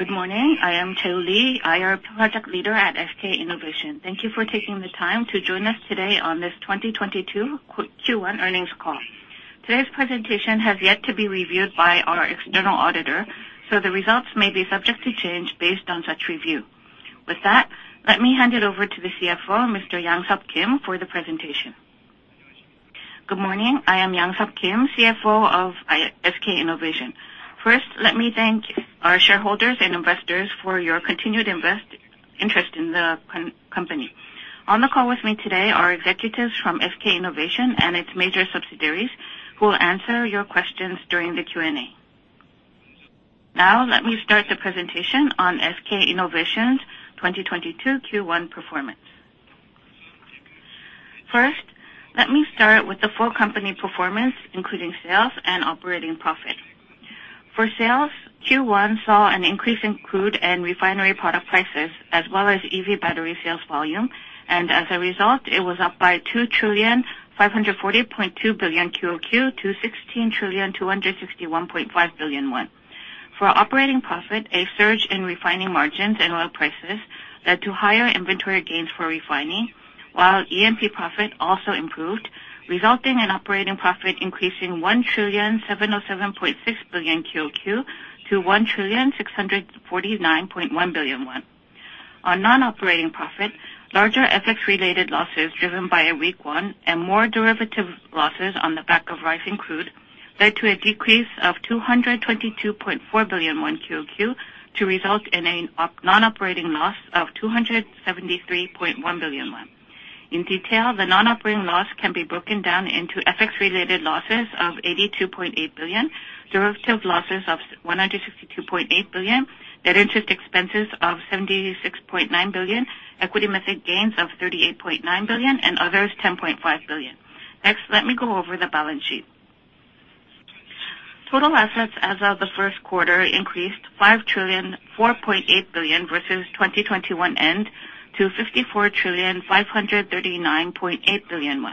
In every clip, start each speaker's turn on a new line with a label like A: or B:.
A: Good morning. I am Joe Lee, IR Project Leader at SK Innovation. Thank you for taking the time to join us today on this 2022 Q1 earnings call. Today's presentation has yet to be reviewed by our external auditor, so the results may be subject to change based on such review. With that, let me hand it over to the CFO, Mr. Yang Sub Kim, for the presentation.
B: Good morning. I am Yang Sub Kim, CFO of SK Innovation. First, let me thank our shareholders and investors for your continued interest in the company. On the call with me today are executives from SK Innovation and its major subsidiaries who will answer your questions during the Q&A. Now let me start the presentation on SK Innovation's 2022 Q1 performance. First, let me start with the full company performance, including sales and operating profit. For sales, Q1 saw an increase in crude and refinery product prices, as well as EV battery sales volume, and as a result, it was up by 2,540.2 billion QOQ to 16,261.5 billion. For operating profit, a surge in refining margins and oil prices led to higher inventory gains for refining, while E&P profit also improved, resulting in operating profit increasing 1,707.6 billion QOQ to 1,649.1 billion won. On non-operating profit, larger FX related losses driven by a weak won and more derivative losses on the back of rise in crude led to a decrease of 222.4 billion QOQ to result in a non-operating loss of 273.1 billion. In detail, the non-operating loss can be broken down into FX related losses of 82.8 billion, derivative losses of 162.8 billion, net interest expenses of 76.9 billion, equity method gains of 38.9 billion, and others 10.5 billion. Next, let me go over the balance sheet. Total assets as of the first quarter increased 5,004.8 billion versus 2021 end to 54,539.8 billion.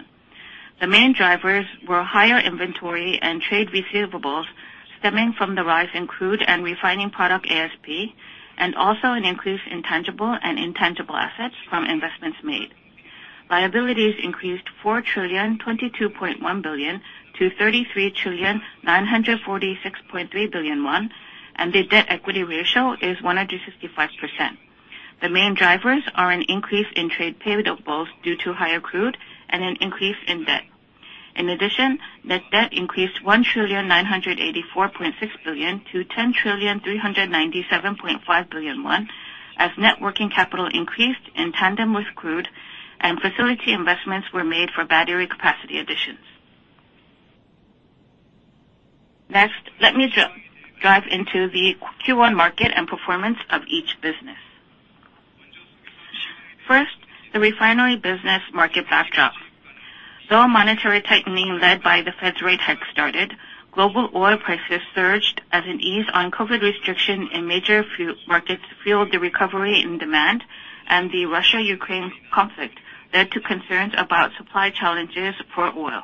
B: The main drivers were higher inventory and trade receivables stemming from the rise in crude and refining product ASP and also an increase in tangible and intangible assets from investments made. Liabilities increased 4,022.1 billion to 33,946.3 billion won, and the debt equity ratio is 165%. The main drivers are an increase in trade payables due to higher crude and an increase in debt. In addition, net debt increased 1,984.6 billion to 10,397.5 billion as net working capital increased in tandem with crude and facility investments were made for battery capacity additions. Next, let me dive into the Q1 market and performance of each business. First, the refinery business market backdrop. Though monetary tightening led by the Fed's rate hike started, global oil prices surged as easing of COVID restrictions in major fuel markets fueled the recovery in demand and the Russia-Ukraine conflict led to concerns about supply challenges for oil.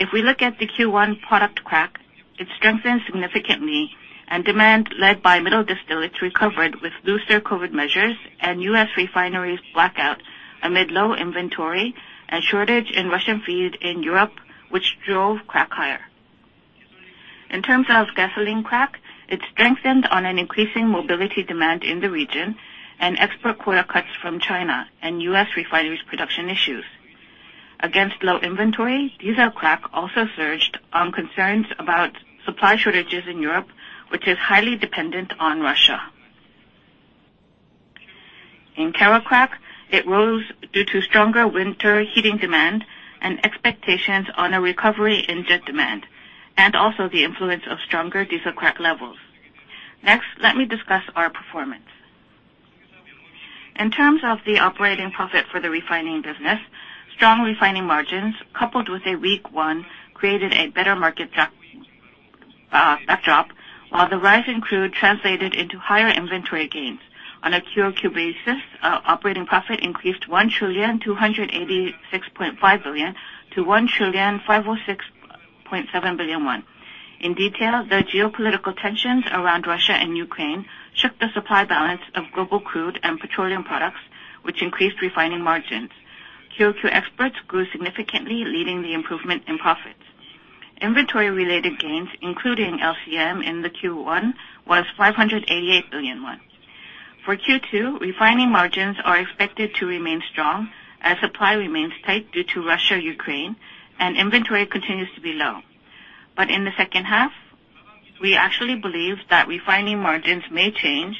B: If we look at the Q1 product crack, it strengthened significantly and demand led by middle distillates recovered with looser COVID measures and U.S. refineries blackout amid low inventory and shortage in Russian feed in Europe, which drove crack higher. In terms of gasoline crack, it strengthened on an increasing mobility demand in the region and export quota cuts from China and U.S. refineries production issues. Against low inventory, diesel crack also surged on concerns about supply shortages in Europe, which is highly dependent on Russia. In kero crack, it rose due to stronger winter heating demand and expectations on a recovery in jet demand, and also the influence of stronger diesel crack levels. Next, let me discuss our performance. In terms of the operating profit for the refining business, strong refining margins coupled with a weak won created a better market backdrop while the rise in crude translated into higher inventory gains. On a QOQ basis, operating profit increased 1,286.5 billion to 1,506.7 billion won. In detail, the geopolitical tensions around Russia and Ukraine shook the supply balance of global crude and petroleum products, which increased refining margins. QOQ exports grew significantly, leading the improvement in profits. Inventory-related gains, including LCM in the Q1, was 588 billion won. For Q2, refining margins are expected to remain strong as supply remains tight due to Russia, Ukraine, and inventory continues to be low. In the second half, we actually believe that refining margins may change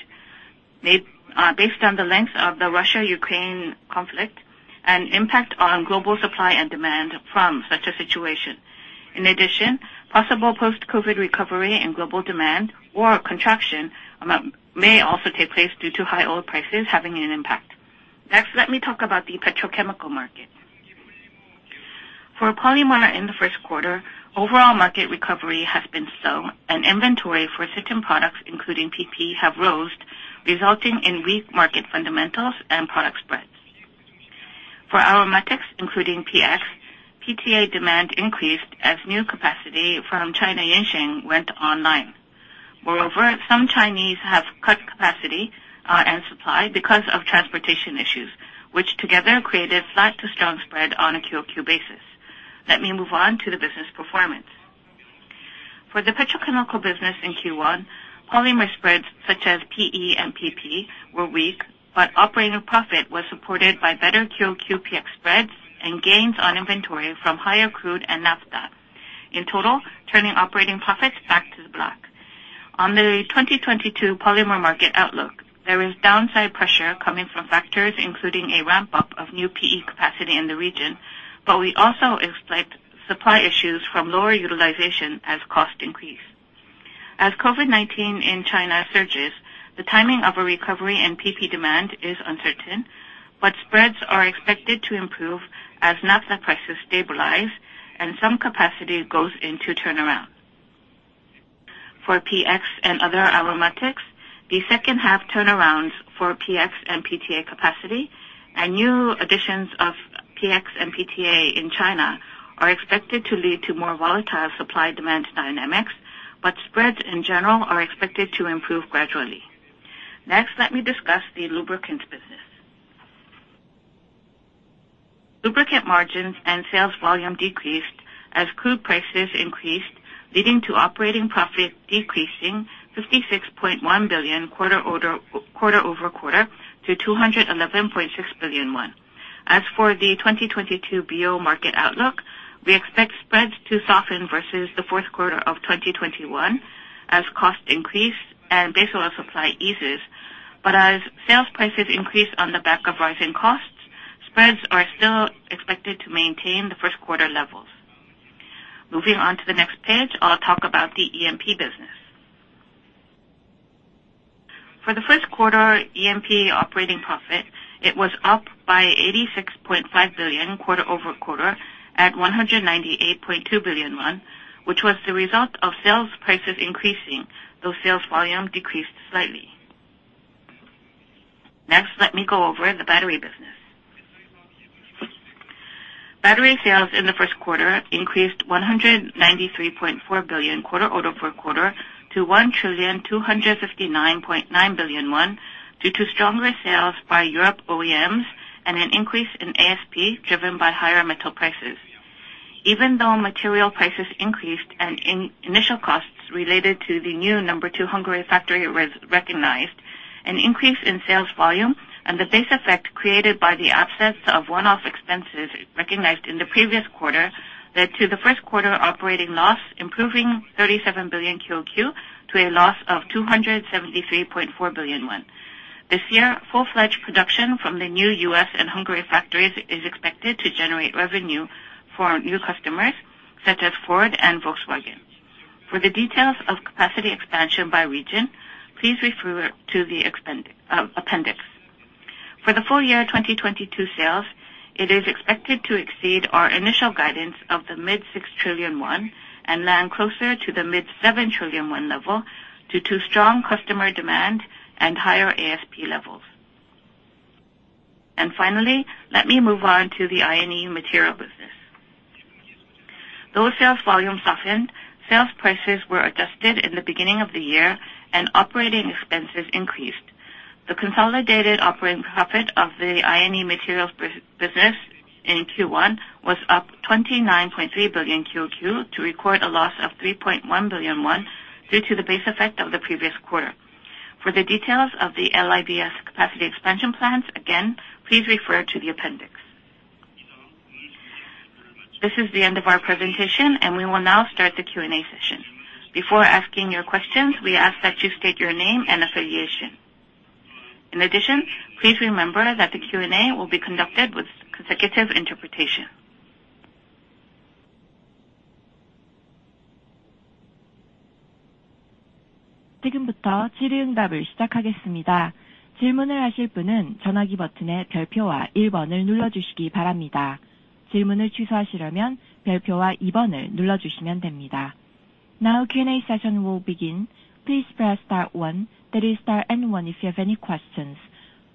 B: based on the length of the Russia-Ukraine conflict and impact on global supply and demand from such a situation. In addition, possible post-COVID recovery and global demand or contraction may also take place due to high oil prices having an impact. Next, let me talk about the petrochemical market. For polymer in the first quarter, overall market recovery has been slow and inventory for certain products, including PP, has risen, resulting in weak market fundamentals and product spreads. For aromatics, including PX, PTA demand increased as new capacity from China Yanshan went online. Moreover, some Chinese have cut capacity and supply because of transportation issues, which together created flat to strong spread on a QOQ basis. Let me move on to the business performance. For the petrochemical business in Q1, polymer spreads such as PE and PP were weak, but operating profit was supported by better QOQ PX spreads and gains on inventory from higher crude and naphtha. In total, turning operating profits back to the black. On the 2022 polymer market outlook, there is downside pressure coming from factors including a ramp-up of new PE capacity in the region. We also expect supply issues from lower utilization as costs increase. As COVID-19 in China surges, the timing of a recovery in PP demand is uncertain, but spreads are expected to improve as naphtha prices stabilize and some capacity goes into turnaround. For PX and other aromatics, the second half turnarounds for PX and PTA capacity and new additions of PX and PTA in China are expected to lead to more volatile supply demand dynamics, but spreads in general are expected to improve gradually. Next, let me discuss the lubricants business. Lubricant margins and sales volume decreased as crude prices increased, leading to operating profit decreasing 56.1 billion quarter-over-quarter to 211.6 billion. As for the 2022 BO market outlook, we expect spreads to soften versus the fourth quarter of 2021 as costs increase and base oil supply eases. But as sales prices increase on the back of rising costs, spreads are still expected to maintain the first quarter levels. Moving on to the next page, I'll talk about the E&P business. For the first quarter E&P operating profit, it was up by 86.5 billion quarter-over-quarter at 198.2 billion won, which was the result of sales prices increasing, though sales volume decreased slightly. Next, let me go over the battery business. Battery sales in the first quarter increased 193.4 billion quarter-over-quarter to 1,259.9 billion due to stronger sales by European OEMs and an increase in ASP driven by higher metal prices. Even though material prices increased and initial costs related to the new number two Hungary factory was recognized, an increase in sales volume and the base effect created by the absence of one-off expenses recognized in the previous quarter led to the first quarter operating loss, improving 37 billion QOQ to a loss of 273.4 billion won. This year, full-fledged production from the new U.S. and Hungary factories is expected to generate revenue for new customers such as Ford and Volkswagen. For the details of capacity expansion by region, please refer to the appendix. For the full year 2022 sales, it is expected to exceed our initial guidance of the mid-6 trillion KRW and land closer to the mid-7 trillion KRW level due to strong customer demand and higher ASP levels. Finally, let me move on to the ENEOS Materials business. Though sales volume softened, sales prices were adjusted in the beginning of the year and operating expenses increased. The consolidated operating profit of the ENEOS Materials business in Q1 was up 29.3 billion QOQ to record a loss of 3.1 billion won due to the base effect of the previous quarter. For the details of the LIBs capacity expansion plans, again, please refer to the appendix. This is the end of our presentation, and we will now start the Q&A session. Before asking your questions, we ask that you state your name and affiliation. In addition, please remember that the Q&A will be conducted with consecutive interpretation.
C: Now, Q&A session will begin. Please press star one, that is star and one if you have any questions.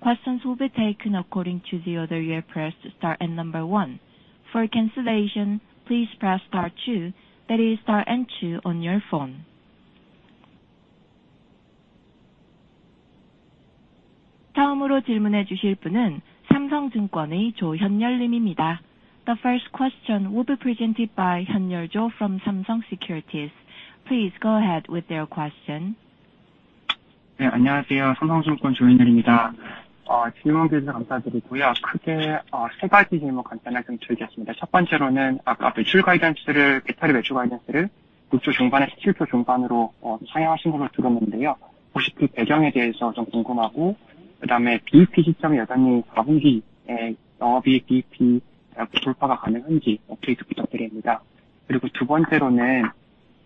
C: Questions will be taken according to the order you have pressed star and number one. For cancellation, please press star two, that is star and two on your phone. The first question will be presented by Cho Hyunryul from Samsung Securities. Please go ahead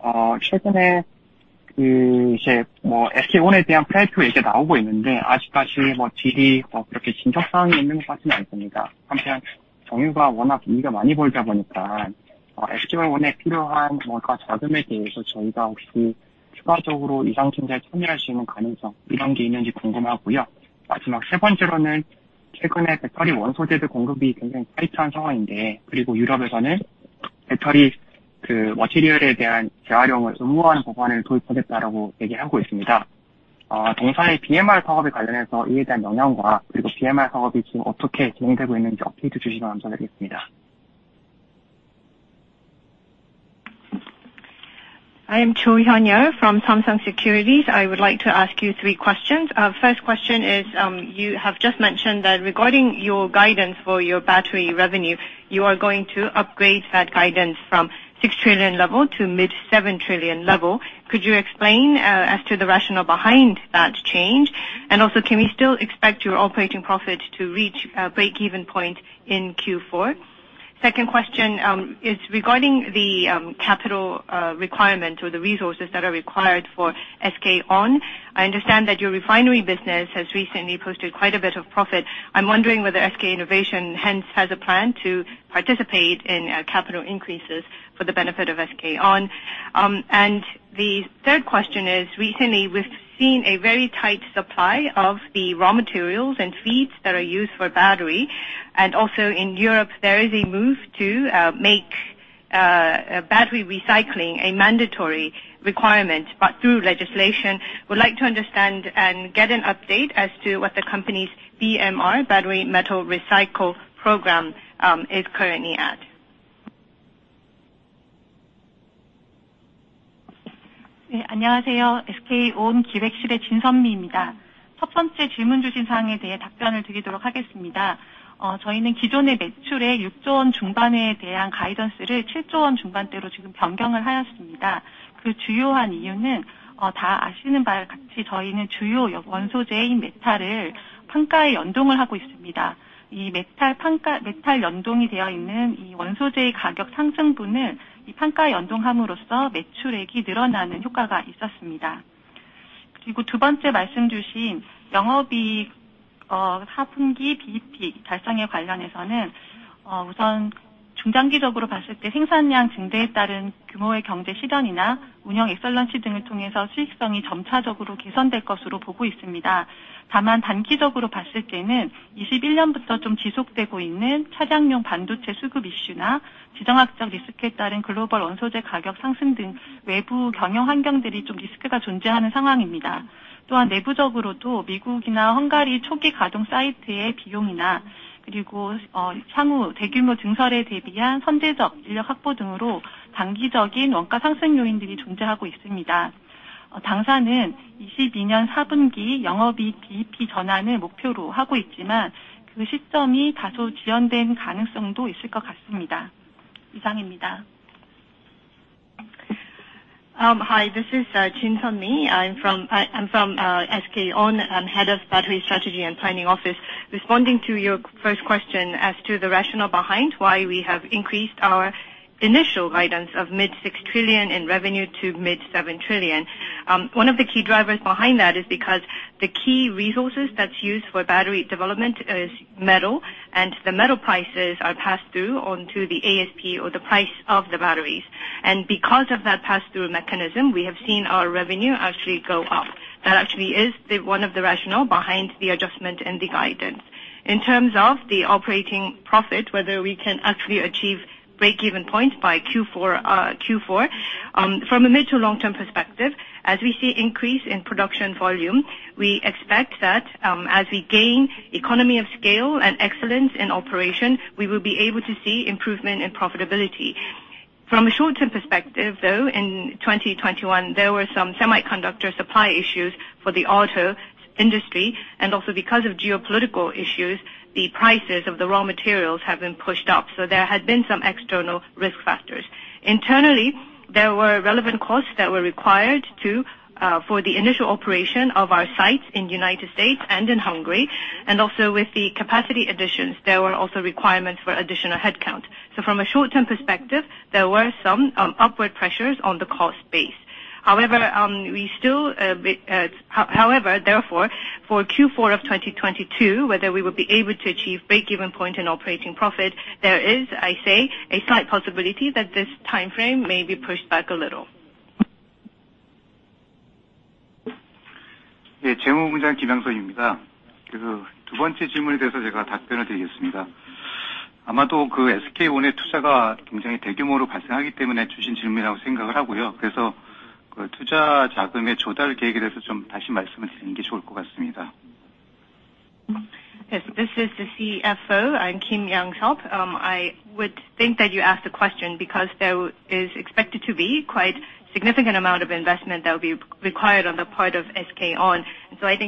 C: with your question.
B: I am Cho Hyunryul from Samsung Securities. I would like to ask you three questions. First question is, you have just mentioned that regarding your guidance for your battery revenue, you are going to upgrade that guidance from 6 trillion level to mid 7 trillion level. Could you explain as to the rationale behind that change? And also, can we still expect your operating profit to reach breakeven point in Q4? Second question is regarding the capital requirement or the resources that are required for SK On. I understand that your refinery business has recently posted quite a bit of profit. I'm wondering whether SK Innovation, hence, has a plan to participate in capital increases for the benefit of SK On. The third question is recently we've seen a very tight supply of the raw materials and feeds that are used for battery. Also in Europe there is a move to make battery recycling a mandatory requirement, but through legislation. We'd like to understand and get an update as to what the company's BMR battery metal recycle program is currently at. Yes. This is the CFO, I'm Kim Yang-sub. I would think that you asked the question because there is expected to be quite significant amount of investment that will be required on the part of SK On. I think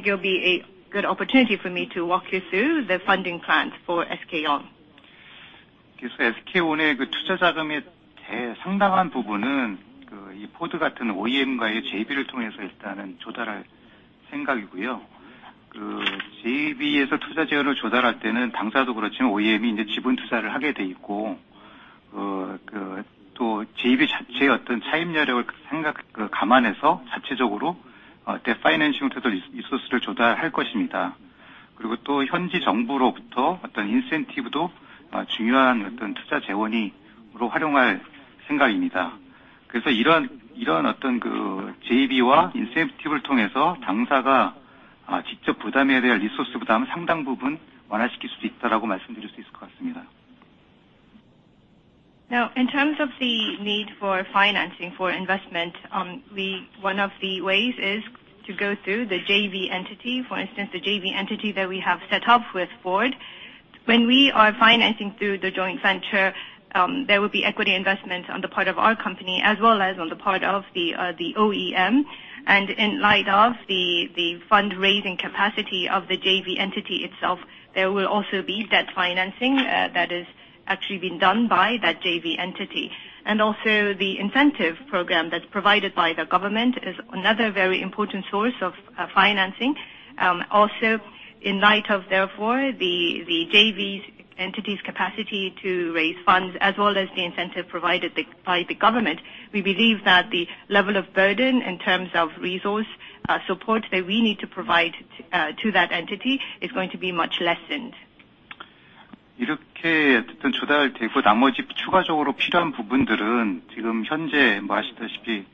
B: it'll be a good opportunity for me to walk you through the funding plans for SK On.
D: 그리고 또 현지 정부로부터 어떤 Incentive도 중요한 어떤 투자 재원으로 활용할 생각입니다. 그래서 이런 어떤 그 JV와 Incentive를 통해서 당사가 직접 부담해야 할 Resource 부담을 상당 부분 완화시킬 수 있다라고 말씀드릴 수 있을 것 같습니다.
B: Now, in terms of the need for financing for investment. One of the ways is to go through the JV entity. For instance, the JV entity that we have set up with Ford. When we are financing through the joint venture, there will be equity investment on the part of our company as well as on the part of the OEM. In light of the fundraising capacity of the JV entity itself, there will also be debt financing that is actually being done by that JV entity. Also the incentive program that's provided by the government is another very important source of financing. Also in light of therefore the JV entity's capacity to raise funds as well as the incentive provided by the government. We believe that the level of burden in terms of resource support that we need to provide to that entity is going to be much lessened.
D: 이렇게 어쨌든 조달되고 나머지 추가적으로 필요한 부분들은 지금 현재 아시다시피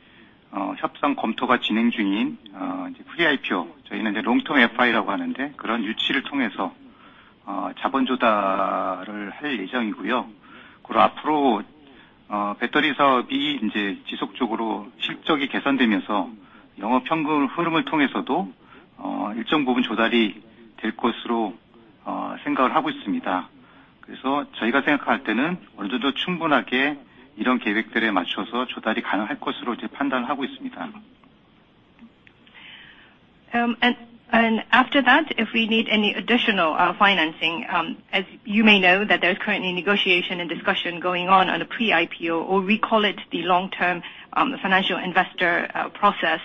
D: 협상 검토가 진행 중인 Pre-IPO, 저희는 Long Term FI라고 하는데 그런 유치를 통해서 자본 조달을 할 예정이고요. 그리고 앞으로 Battery 사업이 지속적으로 실적이 개선되면서 영업 현금 흐름을 통해서도 일정 부분 조달이 될 것으로 생각을 하고 있습니다. 그래서 저희가 생각할 때는 어느 정도 충분하게 이런 계획들에 맞춰서 조달이 가능할 것으로 판단하고 있습니다.
B: After that, if we need any additional financing. As you may know, there is currently negotiation and discussion going on a Pre-IPO or we call it the Long Term Financial Investor Process.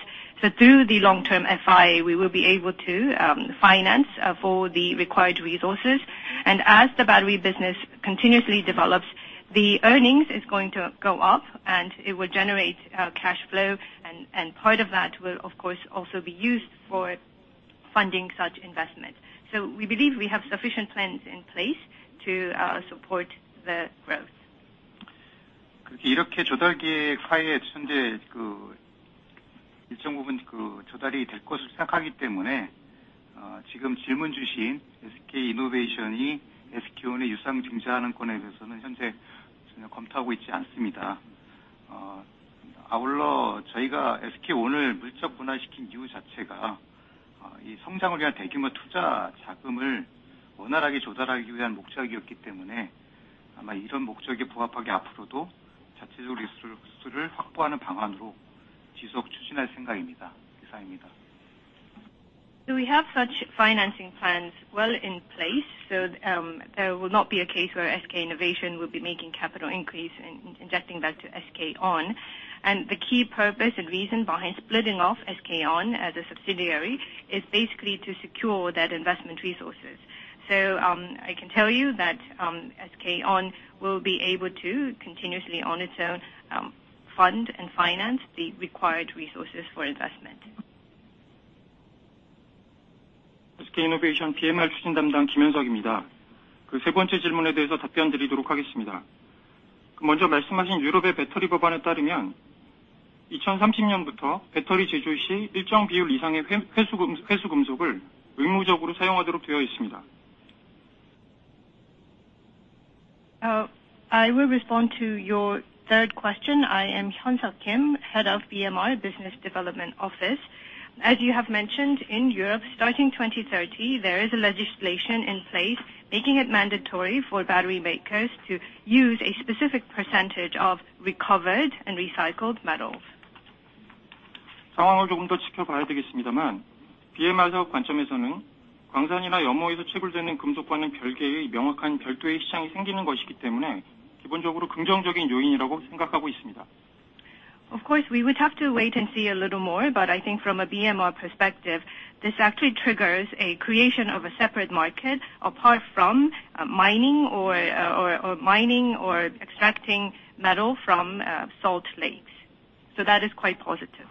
B: Through the Long Term FI, we will be able to finance for the required resources. As the battery business continuously develops, the earnings is going to go up and it will generate cash flow. Part of that will of course also be used for funding such investments. We believe we have sufficient plans in place to support the growth.
D: 그렇게 이렇게 조달 계획 하에 현재 그 일정 부분 그 조달이 될 것으로 생각하기 때문에, 지금 질문 주신 SK 이노베이션이 SK On의 유상증자 하는 건에 대해서는 현재 전혀 검토하고 있지 않습니다. 아울러 저희가 SK On을 물적 분할시킨 이유 자체가, 이 성장을 위한 대규모 투자 자금을 원활하게 조달하기 위한 목적이었기 때문에 아마 이런 목적에 부합하게 앞으로도 자체적으로 Resource를 확보하는 방안으로 지속 추진할 생각입니다. 이상입니다.
B: We have such financing plans well in place. There will not be a case where SK Innovation will be making capital increase in injecting that to SK On. The key purpose and reason behind splitting off SK On as a subsidiary is basically to secure that investment resources. I can tell you that SK On will be able to continuously on its own fund and finance the required resources for investment.
E: SK Innovation BMR 추진 담당 김현석입니다. 세 번째 질문에 대해서 답변드리도록 하겠습니다. 먼저 말씀하신 유럽의 Battery 법안에 따르면 2030년부터 Battery 제조 시 일정 비율 이상의 회수 금속을 의무적으로 사용하도록 되어 있습니다. I will respond to your third question. I am Hyun Suk Kim, Head of BMR Business Development Office. As you have mentioned, in Europe, starting 2030, there is a legislation in place making it mandatory for battery makers to use a specific percentage of recovered and recycled metals. 상황을 조금 더 지켜봐야 되겠습니다만, BMR 사업 관점에서는 광산이나 염호에서 채굴되는 금속과는 별개의 명확한 별도의 시장이 생기는 것이기 때문에 기본적으로 긍정적인 요인이라고 생각하고 있습니다.
B: Of course, we would have to wait and see a little more. I think from a BMR perspective, this actually triggers a creation of a separate market apart from mining or extracting metal from salt lakes. That is quite positive.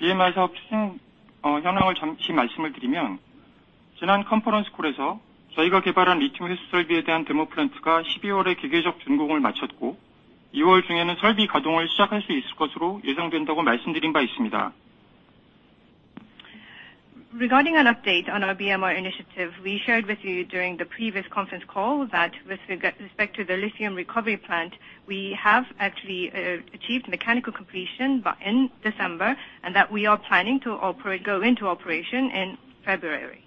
E: BMR 사업 추진 현황을 잠시 말씀을 드리면, 지난 Conference Call에서 저희가 개발한 Lithium 회수 설비에 대한 Demo Plant가 12월에 기계적 준공을 마쳤고, 2월 중에는 설비 가동을 시작할 수 있을 것으로 예상된다고 말씀드린 바 있습니다.
B: Regarding an update on our BMR initiative, we shared with you during the previous conference call that with respect to the lithium recovery plant, we have actually achieved mechanical completion by in December, and that we are planning to go into operation in February.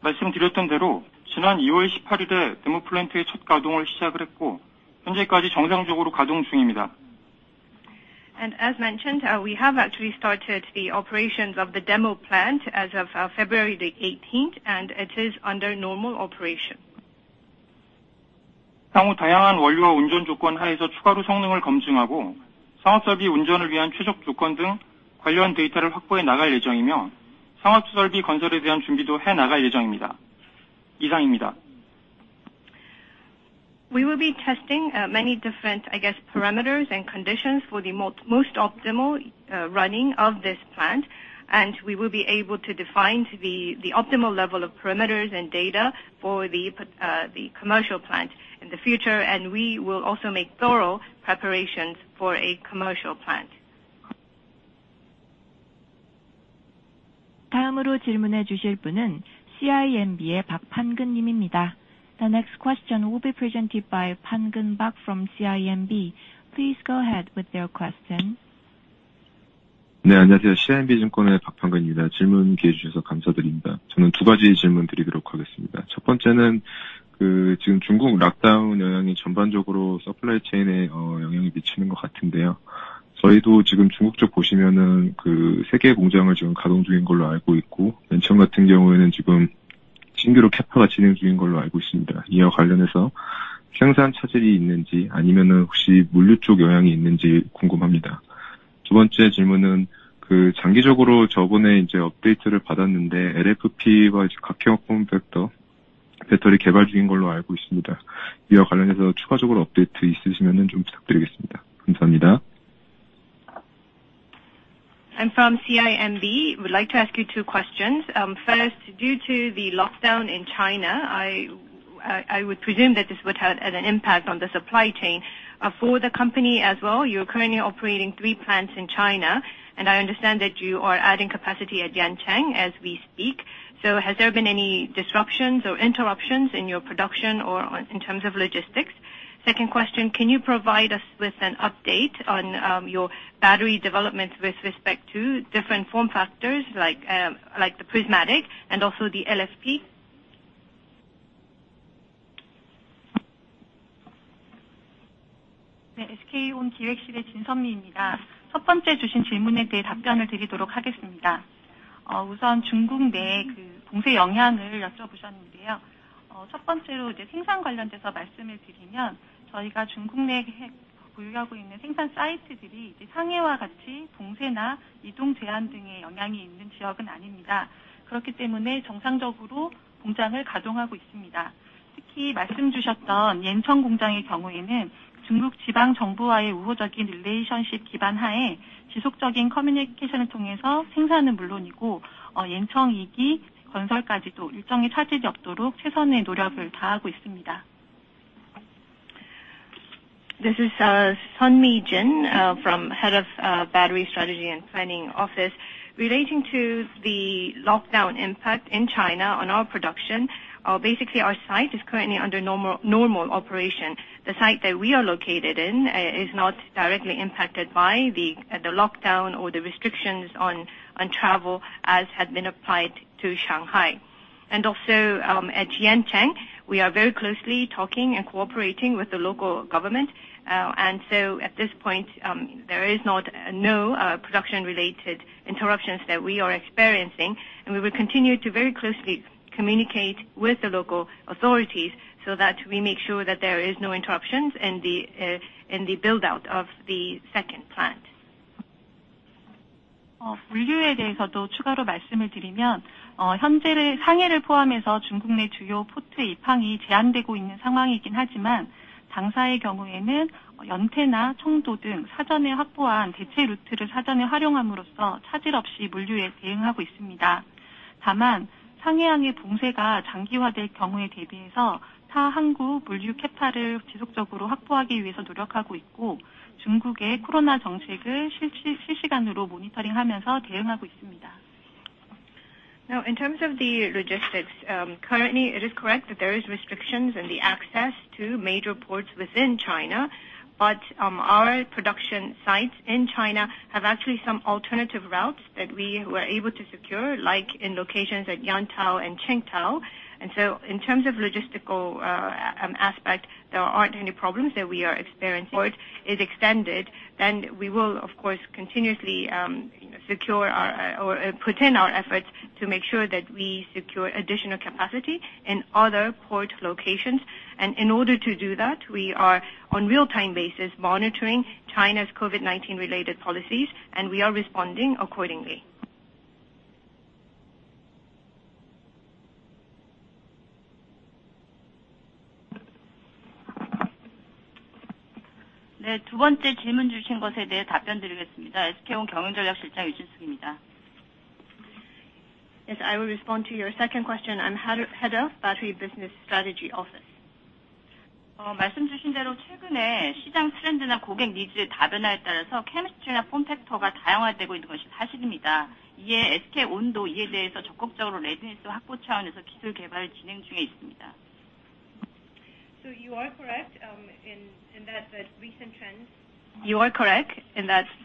E: 말씀드렸던 대로 지난 2월 18일에 Demo Plant의 첫 가동을 시작을 했고, 현재까지 정상적으로 가동 중입니다.
B: As mentioned, we have actually started the operations of the demo plant as of February the 18th, and it is under normal operation.
E: 향후 다양한 원료와 운전 조건하에서 추가로 성능을 검증하고, 사업 설비 운전을 위한 최적 조건 등 관련 데이터를 확보해 나갈 예정이며, 상업설비 건설에 대한 준비도 해 나갈 예정입니다. 이상입니다.
B: We will be testing many different, I guess, parameters and conditions for the most optimal running of this plant. We will be able to define the optimal level of parameters and data for the commercial plant in the future. We will also make thorough preparations for a commercial plant.
C: The next question will be presented by Park Kwang-rae from CIMB. Please go ahead with your question.
F: 네. 안녕하세요. CIMB 증권의 Park Kwang-rae입니다. 질문 기회 주셔서 감사드립니다. 저는 두 가지 질문드리도록 하겠습니다. 첫 번째는 지금 중국 lockdown 영향이 전반적으로 supply chain에 영향이 미치는 것 같은데요. 저희도 지금 중국 쪽 보시면은 세 개의 공장을 지금 가동 중인 걸로 알고 있고, Yancheng 같은 경우에는 지금 신규로 CAPA가 진행 중인 걸로 알고 있습니다. 이와 관련해서 생산 차질이 있는지, 아니면은 혹시 물류 쪽 영향이 있는지 궁금합니다. 두 번째 질문은 장기적으로 저번에 업데이트를 받았는데 LFP와 각형 form factor 배터리 개발 중인 걸로 알고 있습니다. 이와 관련해서 추가적으로 업데이트 있으시면은 좀 부탁드리겠습니다. 감사합니다.
B: I'm from CIMB. I would like to ask you two questions. First, due to the lockdown in China, I would presume that this would have an impact on the supply chain for the company as well. You're currently operating three plants in China, and I understand that you are adding capacity at Yancheng as we speak. Has there been any disruptions or interruptions in your production or in terms of logistics? Second question, can you provide us with an update on your battery development with respect to different form factors like the prismatic and also the LFP?
G: 네. SK On 기획실의 Jin Seonmi입니다. 첫 번째 주신 질문에 대해 답변을 드리도록 하겠습니다. 우선 중국 내 봉쇄 영향을 여쭤보셨는데요. 첫 번째로 생산 관련돼서 말씀을 드리면 저희가 중국 내 보유하고 있는 생산 사이트들이 상해와 같이 봉쇄나 이동 제한 등의 영향이 있는 지역은 아닙니다. 그렇기 때문에 정상적으로 공장을 가동하고 있습니다. 특히 말씀주셨던 Yancheng 공장의 경우에는 중국 지방정부와의 우호적인 relationship 기반 하에 지속적인 communication을 통해서 생산은 물론이고, Yancheng 2기 건설까지도 일정이 차질이 없도록 최선의 노력을 다하고 있습니다.
B: This is Jin Seonmi from head of battery strategy and planning office. Relating to the lockdown impact in China on our production. Basically our site is currently under normal operation. The site that we are located in is not directly impacted by the lockdown or the restrictions on travel as had been applied to Shanghai. At Yancheng, we are very closely talking and cooperating with the local government. At this point, there is no production related interruptions that we are experiencing. We will continue to very closely communicate with the local authorities so that we make sure that there is no interruptions in the build out of the second plant.
G: 물류에 대해서도 추가로 말씀을 드리면, 현재 상해를 포함해서 중국 내 주요 port의 입항이 제한되고 있는 상황이긴 하지만, 당사의 경우에는 연태나 청도 등 사전에 확보한 대체 루트를 사전에 활용함으로써 차질 없이 물류에 대응하고 있습니다. 다만 상해항의 봉쇄가 장기화될 경우에 대비해서 타 항구 물류 CAPA를 지속적으로 확보하기 위해서 노력하고 있고, 중국의 코로나 정책을 실시간으로 monitoring 하면서 대응하고 있습니다.
B: Now in terms of the logistics, currently it is correct that there is restrictions in the access to major ports within China, but our production sites in China have actually some alternative routes that we were able to secure, like in locations at Yantai and Qingdao. In terms of logistical aspect, there aren't any problems that we are experiencing. Port is extended, then we will of course continuously, you know, secure our or put in our efforts to make sure that we secure additional capacity in other port locations. In order to do that, we are on real-time basis monitoring China's COVID-19 related policies, and we are responding accordingly.
G: 네. 두 번째 질문 주신 것에 대해 답변드리겠습니다. SK On 경영전략실장 Yoo Jinsook입니다.
B: Yes, I will respond to your second question. I'm Head of Battery Business Strategy Office.
G: 말씀 주신 대로 최근에 시장 트렌드나 고객 니즈의 다변화에 따라서 chemistry나 form factor가 다양화되고 있는 것이 사실입니다. 이에 SK On도 이에 대해서 적극적으로 readiness 확보 차원에서 기술 개발을 진행 중에 있습니다.
B: You are correct in that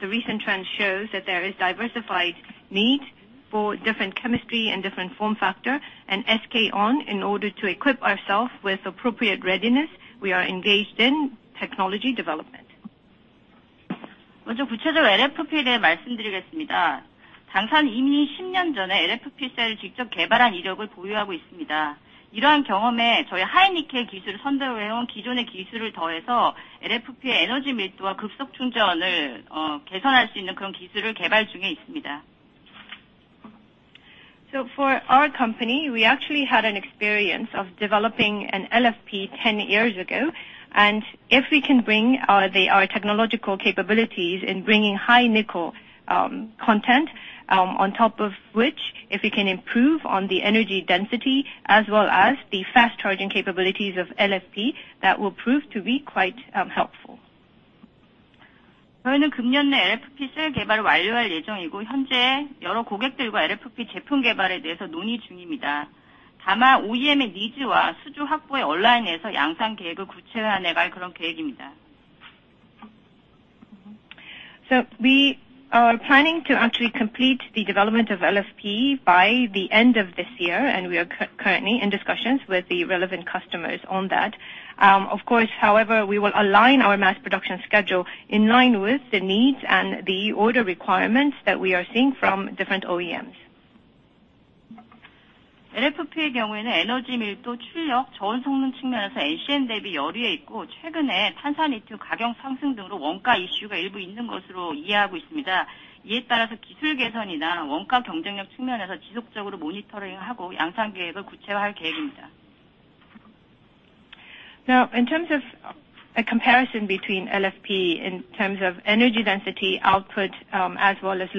B: the recent trend shows that there is diversified need for different chemistry and different form factor. SK On, in order to equip ourselves with appropriate readiness, we are engaged in technology development.
G: 먼저 구체적으로 LFP에 대해 말씀드리겠습니다. 당사는 이미 십년 전에 LFP 셀을 직접 개발한 이력을 보유하고 있습니다. 이러한 경험에 저희 high nickel 기술을 선도해 온 기존의 기술을 더해서 LFP의 에너지 밀도와 급속 충전을 개선할 수 있는 그런 기술을 개발 중에 있습니다.
B: For our company, we actually had an experience of developing an LFP 10 years ago. If we can bring our technological capabilities in bringing high nickel content, on top of which if we can improve on the energy density as well as the fast charging capabilities of LFP, that will prove to be quite helpful. We are planning to actually complete the development of LFP by the end of this year, and we are currently in discussions with the relevant customers on that. Of course, however, we will align our mass production schedule in line with the needs and the order requirements that we are seeing from different OEMs. Now in terms of a comparison between LFP in terms of energy density output, as well as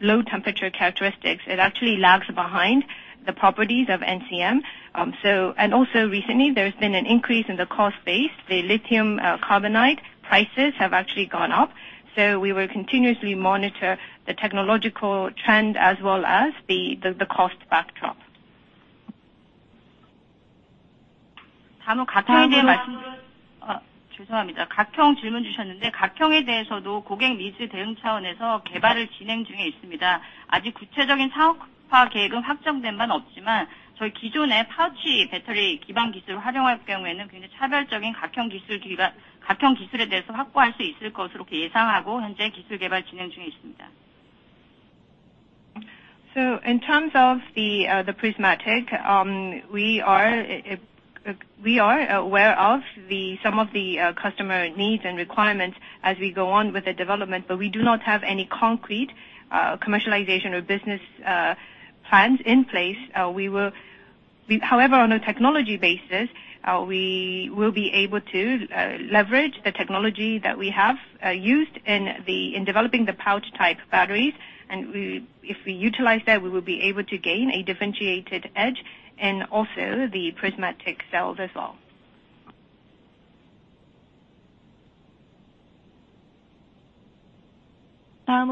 B: low temperature characteristics, it actually lags behind the properties of NCM. Recently there's been an increase in the cost base. The lithium carbonate prices have actually gone up. We will continuously monitor the technological trend as well as the cost backdrop. In terms of the prismatic, we are aware of some of the customer needs and requirements as we go on with the development, but we do not have any concrete commercialization or business plans in place. However, on a technology basis, we will be able to leverage the technology that we have used in developing the pouch type batteries. We, if we utilize that, we will be able to gain a differentiated edge and also the prismatic cells as well.
C: The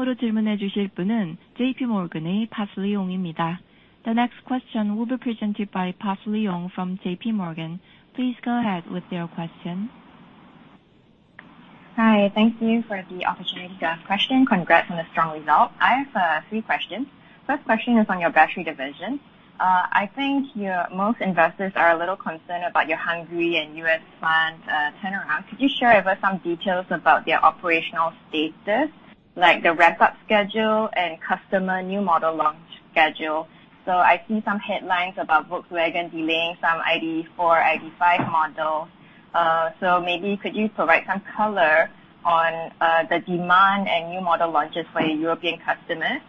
C: next question will be presented by Parsley Ong from JPMorgan. Please go ahead with your question.
H: Hi. Thank you for the opportunity to ask question. Congrats on the strong result. I have three questions. First question is on your battery division. I think most investors are a little concerned about your Hungary and U.S. plant turnaround. Could you share with us some details about their operational status, like the ramp up schedule and customer new model launch schedule? I see some headlines about Volkswagen delaying some ID.4, ID.5 models. Maybe could you provide some color on the demand and new model launches for your European customers?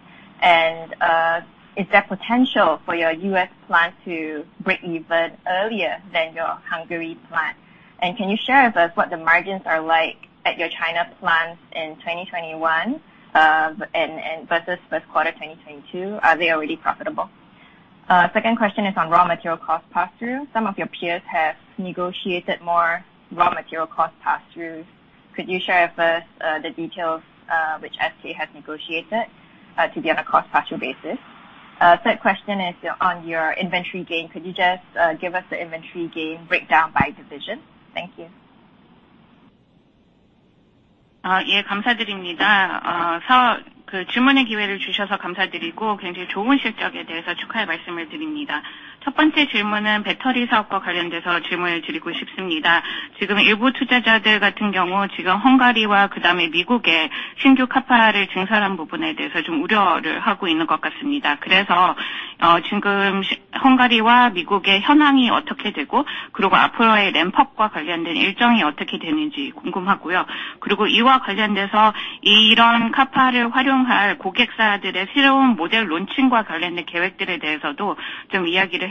H: Is there potential for your U.S. plant to break even earlier than your Hungary plant? Can you share with us what the margins are like at your China plants in 2021 and versus first quarter 2022? Are they already profitable? Second question is on raw material cost pass through. Some of your peers have negotiated more raw material cost pass throughs. Could you share with us the details which SK On has negotiated to be on a cost pass through basis? Third question is on your inventory gain. Could you just give us the inventory gain breakdown by division? Thank you.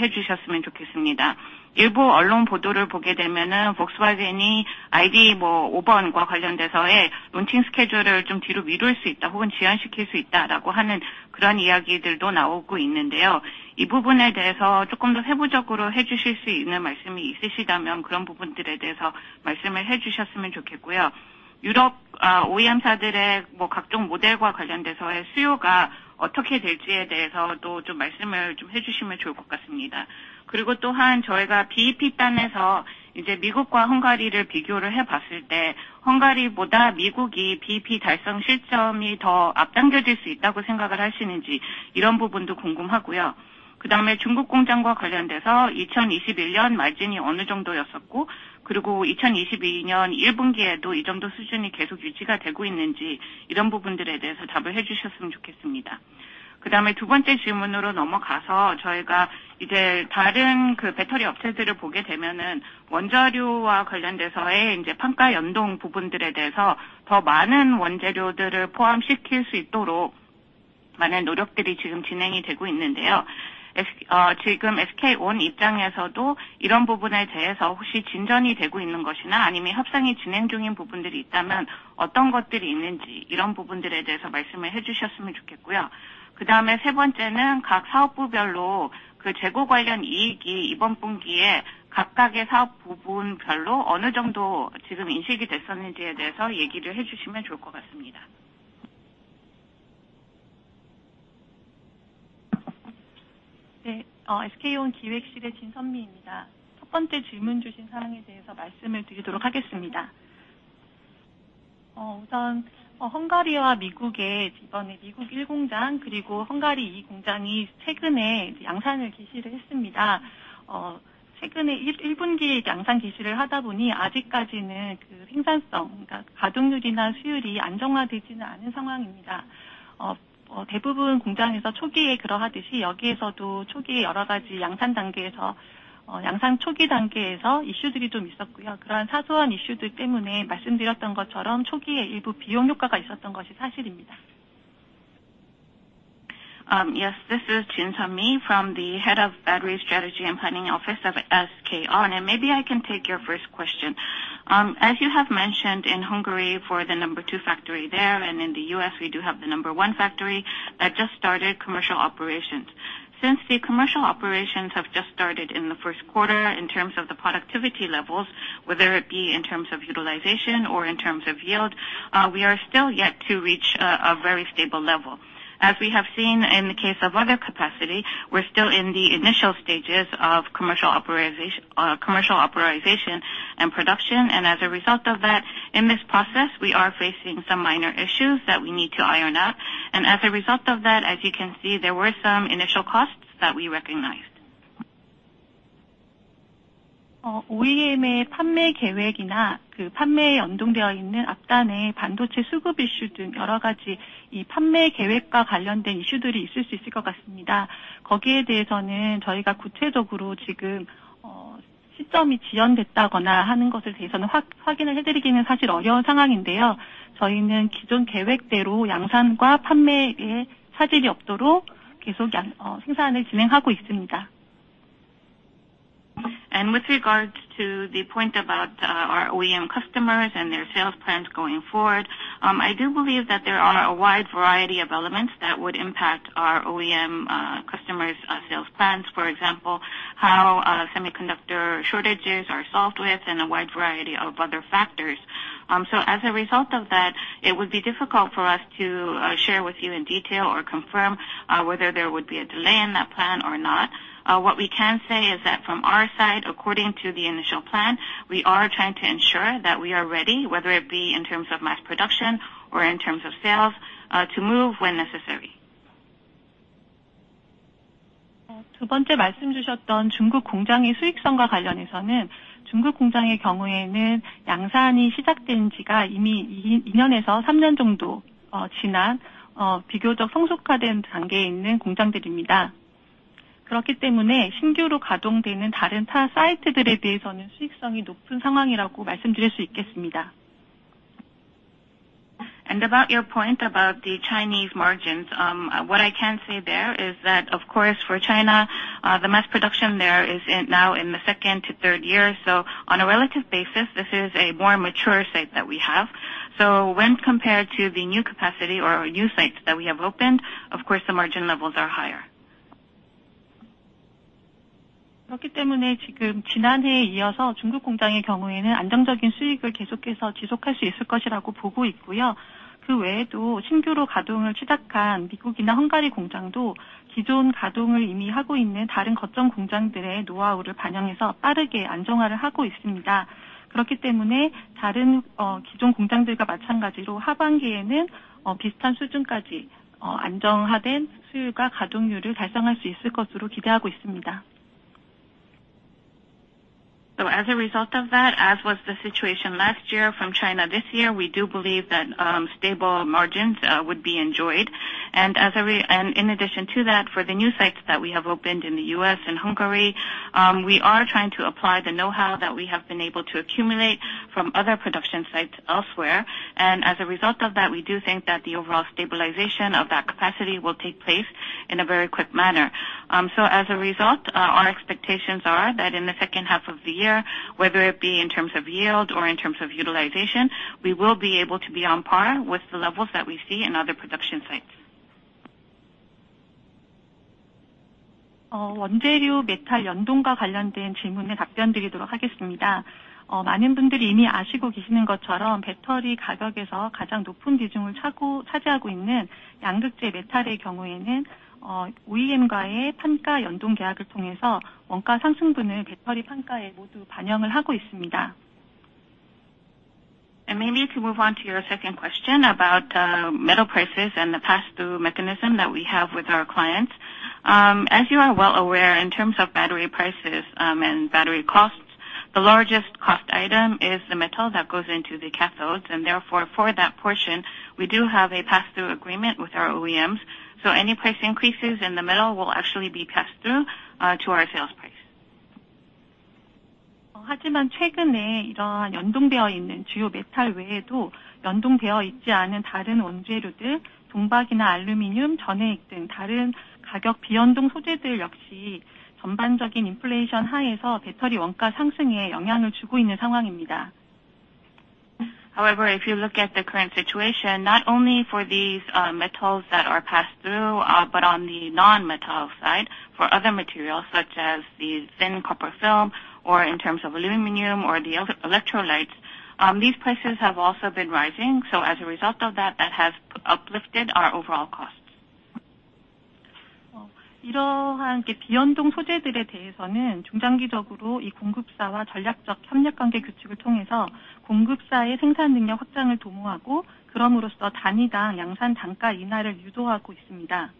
B: Uh,
G: 많은 노력들이 지금 진행이 되고 있는데요. SK On 입장에서도 이런 부분에 대해서 혹시 진전이 되고 있는 것이나 아니면 협상이 진행 중인 부분들이 있다면 어떤 것들이 있는지, 이런 부분들에 대해서 말씀을 해주셨으면 좋겠고요. 그다음에 세 번째는 각 사업부별로 그 재고 관련 이익이 이번 분기에 각각의 사업 부분별로 어느 정도 지금 인식이 됐었는지에 대해서 얘기를 해주시면 좋을 것 같습니다. 네, SK On 기획실의 진선미입니다. 첫 번째 질문 주신 사항에 대해서 말씀을 드리도록 하겠습니다. 우선 헝가리와 미국의 이번에 미국 일공장 그리고 헝가리 이공장이 최근에 양산을 개시를 했습니다. 최근에 일분기에 양산 개시를 하다 보니 아직까지는 그 생산성, 그러니까 가동률이나 수율이 안정화되지는 않은 상황입니다. 대부분 공장에서 초기에 그러하듯이 여기에서도 초기에 여러 가지 양산 단계에서, 양산 초기 단계에서 이슈들이 좀 있었고요. 그러한 사소한 이슈들 때문에 말씀드렸던 것처럼 초기에 일부 비용 효과가 있었던 것이 사실입니다.
B: This is Jin Seonmi from the head of Battery Strategy and Planning Office of SK On and maybe I can take your first question. As you have mentioned in Hungary for the number two factory there and in the US, we do have the number one factory that just started commercial operations. Since the commercial operations have just started in the first quarter. In terms of the productivity levels, whether it be in terms of utilization or in terms of yield, we are still yet to reach a very stable level. As we have seen in the case of other capacity, we're still in the initial stages of commercial operation, commercial authorization and production, and as a result of that, in this process, we are facing some minor issues that we need to iron out. As a result of that, as you can see, there were some initial costs that we recognized.
G: OEM의 판매 계획이나 그 판매에 연동되어 있는 앞단의 반도체 수급 이슈 등 여러 가지 이 판매 계획과 관련된 이슈들이 있을 수 있을 것 같습니다. 거기에 대해서는 저희가 구체적으로 지금 시점이 지연됐다거나 하는 것에 대해서는 확인을 해드리기는 사실 어려운 상황인데요. 저희는 기존 계획대로 양산과 판매에 차질이 없도록 계속 생산을 진행하고 있습니다.
B: With regards to the point about our OEM customers and their sales plans going forward, I do believe that there are a wide variety of elements that would impact our OEM customers sales plans, for example, how semiconductor shortages are solved, with a wide variety of other factors. As a result of that, it would be difficult for us to share with you in detail or confirm whether there would be a delay in that plan or not. What we can say is that from our side, according to the initial plan, we are trying to ensure that we are ready, whether it be in terms of mass production or in terms of sales, to move when necessary.
G: 두 번째 말씀 주셨던 중국 공장의 수익성과 관련해서는 중국 공장의 경우에는 양산이 시작된 지가 이미 2~3년 정도 지난 비교적 성숙화된 단계에 있는 공장들입니다. 그렇기 때문에 신규로 가동되는 다른 타 사이트들에 대해서는 수익성이 높은 상황이라고 말씀드릴 수 있겠습니다.
B: About your point about the Chinese margins. What I can say there is that, of course, for China, the mass production there is now in the second to third year. On a relative basis, this is a more mature site that we have. When compared to the new capacity or new sites that we have opened, of course the margin levels are higher.
G: 그렇기 때문에 지금 지난해에 이어서 중국 공장의 경우에는 안정적인 수익을 계속해서 지속할 수 있을 것이라고 보고 있고요. 그 외에도 신규로 가동을 시작한 미국이나 헝가리 공장도 기존 가동을 이미 하고 있는 다른 거점 공장들의 노하우를 반영해서 빠르게 안정화를 하고 있습니다. 그렇기 때문에 다른 기존 공장들과 마찬가지로 하반기에는 비슷한 수준까지 안정화된 수율과 가동률을 달성할 수 있을 것으로 기대하고 있습니다.
B: As a result of that, as was the situation last year from China this year, we do believe that stable margins would be enjoyed. In addition to that, for the new sites that we have opened in the US and Hungary, we are trying to apply the knowhow that we have been able to accumulate from other production sites elsewhere. As a result of that, we do think that the overall stabilization of that capacity will take place in a very quick manner. As a result, our expectations are that in the second half of the year, whether it be in terms of yield or in terms of utilization, we will be able to be on par with the levels that we see in other production sites.
G: 원재료 메탈 연동과 관련된 질문에 답변드리도록 하겠습니다. 많은 분들이 이미 아시고 계시는 것처럼 배터리 가격에서 가장 높은 비중을 차지하고 있는 양극재 메탈의 경우에는 OEM과의 판가 연동 계약을 통해서 원가 상승분을 배터리 판가에 모두 반영을 하고 있습니다.
B: Maybe to move on to your second question about metal prices and the pass through mechanism that we have with our clients. As you are well aware, in terms of battery prices and battery costs, the largest cost item is the metal that goes into the cathodes. Therefore for that portion, we do have a pass through agreement with our OEMs. Any price increases in the metal will actually be passed through to our sales price.
G: However, 최근에 이러한 연동되어 있는 주요 metal 외에도 연동되어 있지 않은 다른 원재료들, 동박이나 알루미늄, 전해액 등 다른 가격 비연동 소재들 역시 전반적인 inflation 하에서 배터리 원가 상승에 영향을 주고 있는 상황입니다. However, if you look at the current situation, not only for these metals that are passed through, but on the non-metal side for other materials such as the thin copper film or in terms of aluminum or the electrolytes, these prices have also been rising. So as a result of that has uplifted our overall costs. 어, 이러한 비연동 소재들에 대해서는 중장기적으로 이 공급사와 전략적 협력 관계 구축을 통해서 공급사의 생산능력 확장을 도모하고 그럼으로써 단위당 양산 단가 인하를 유도하고 있습니다.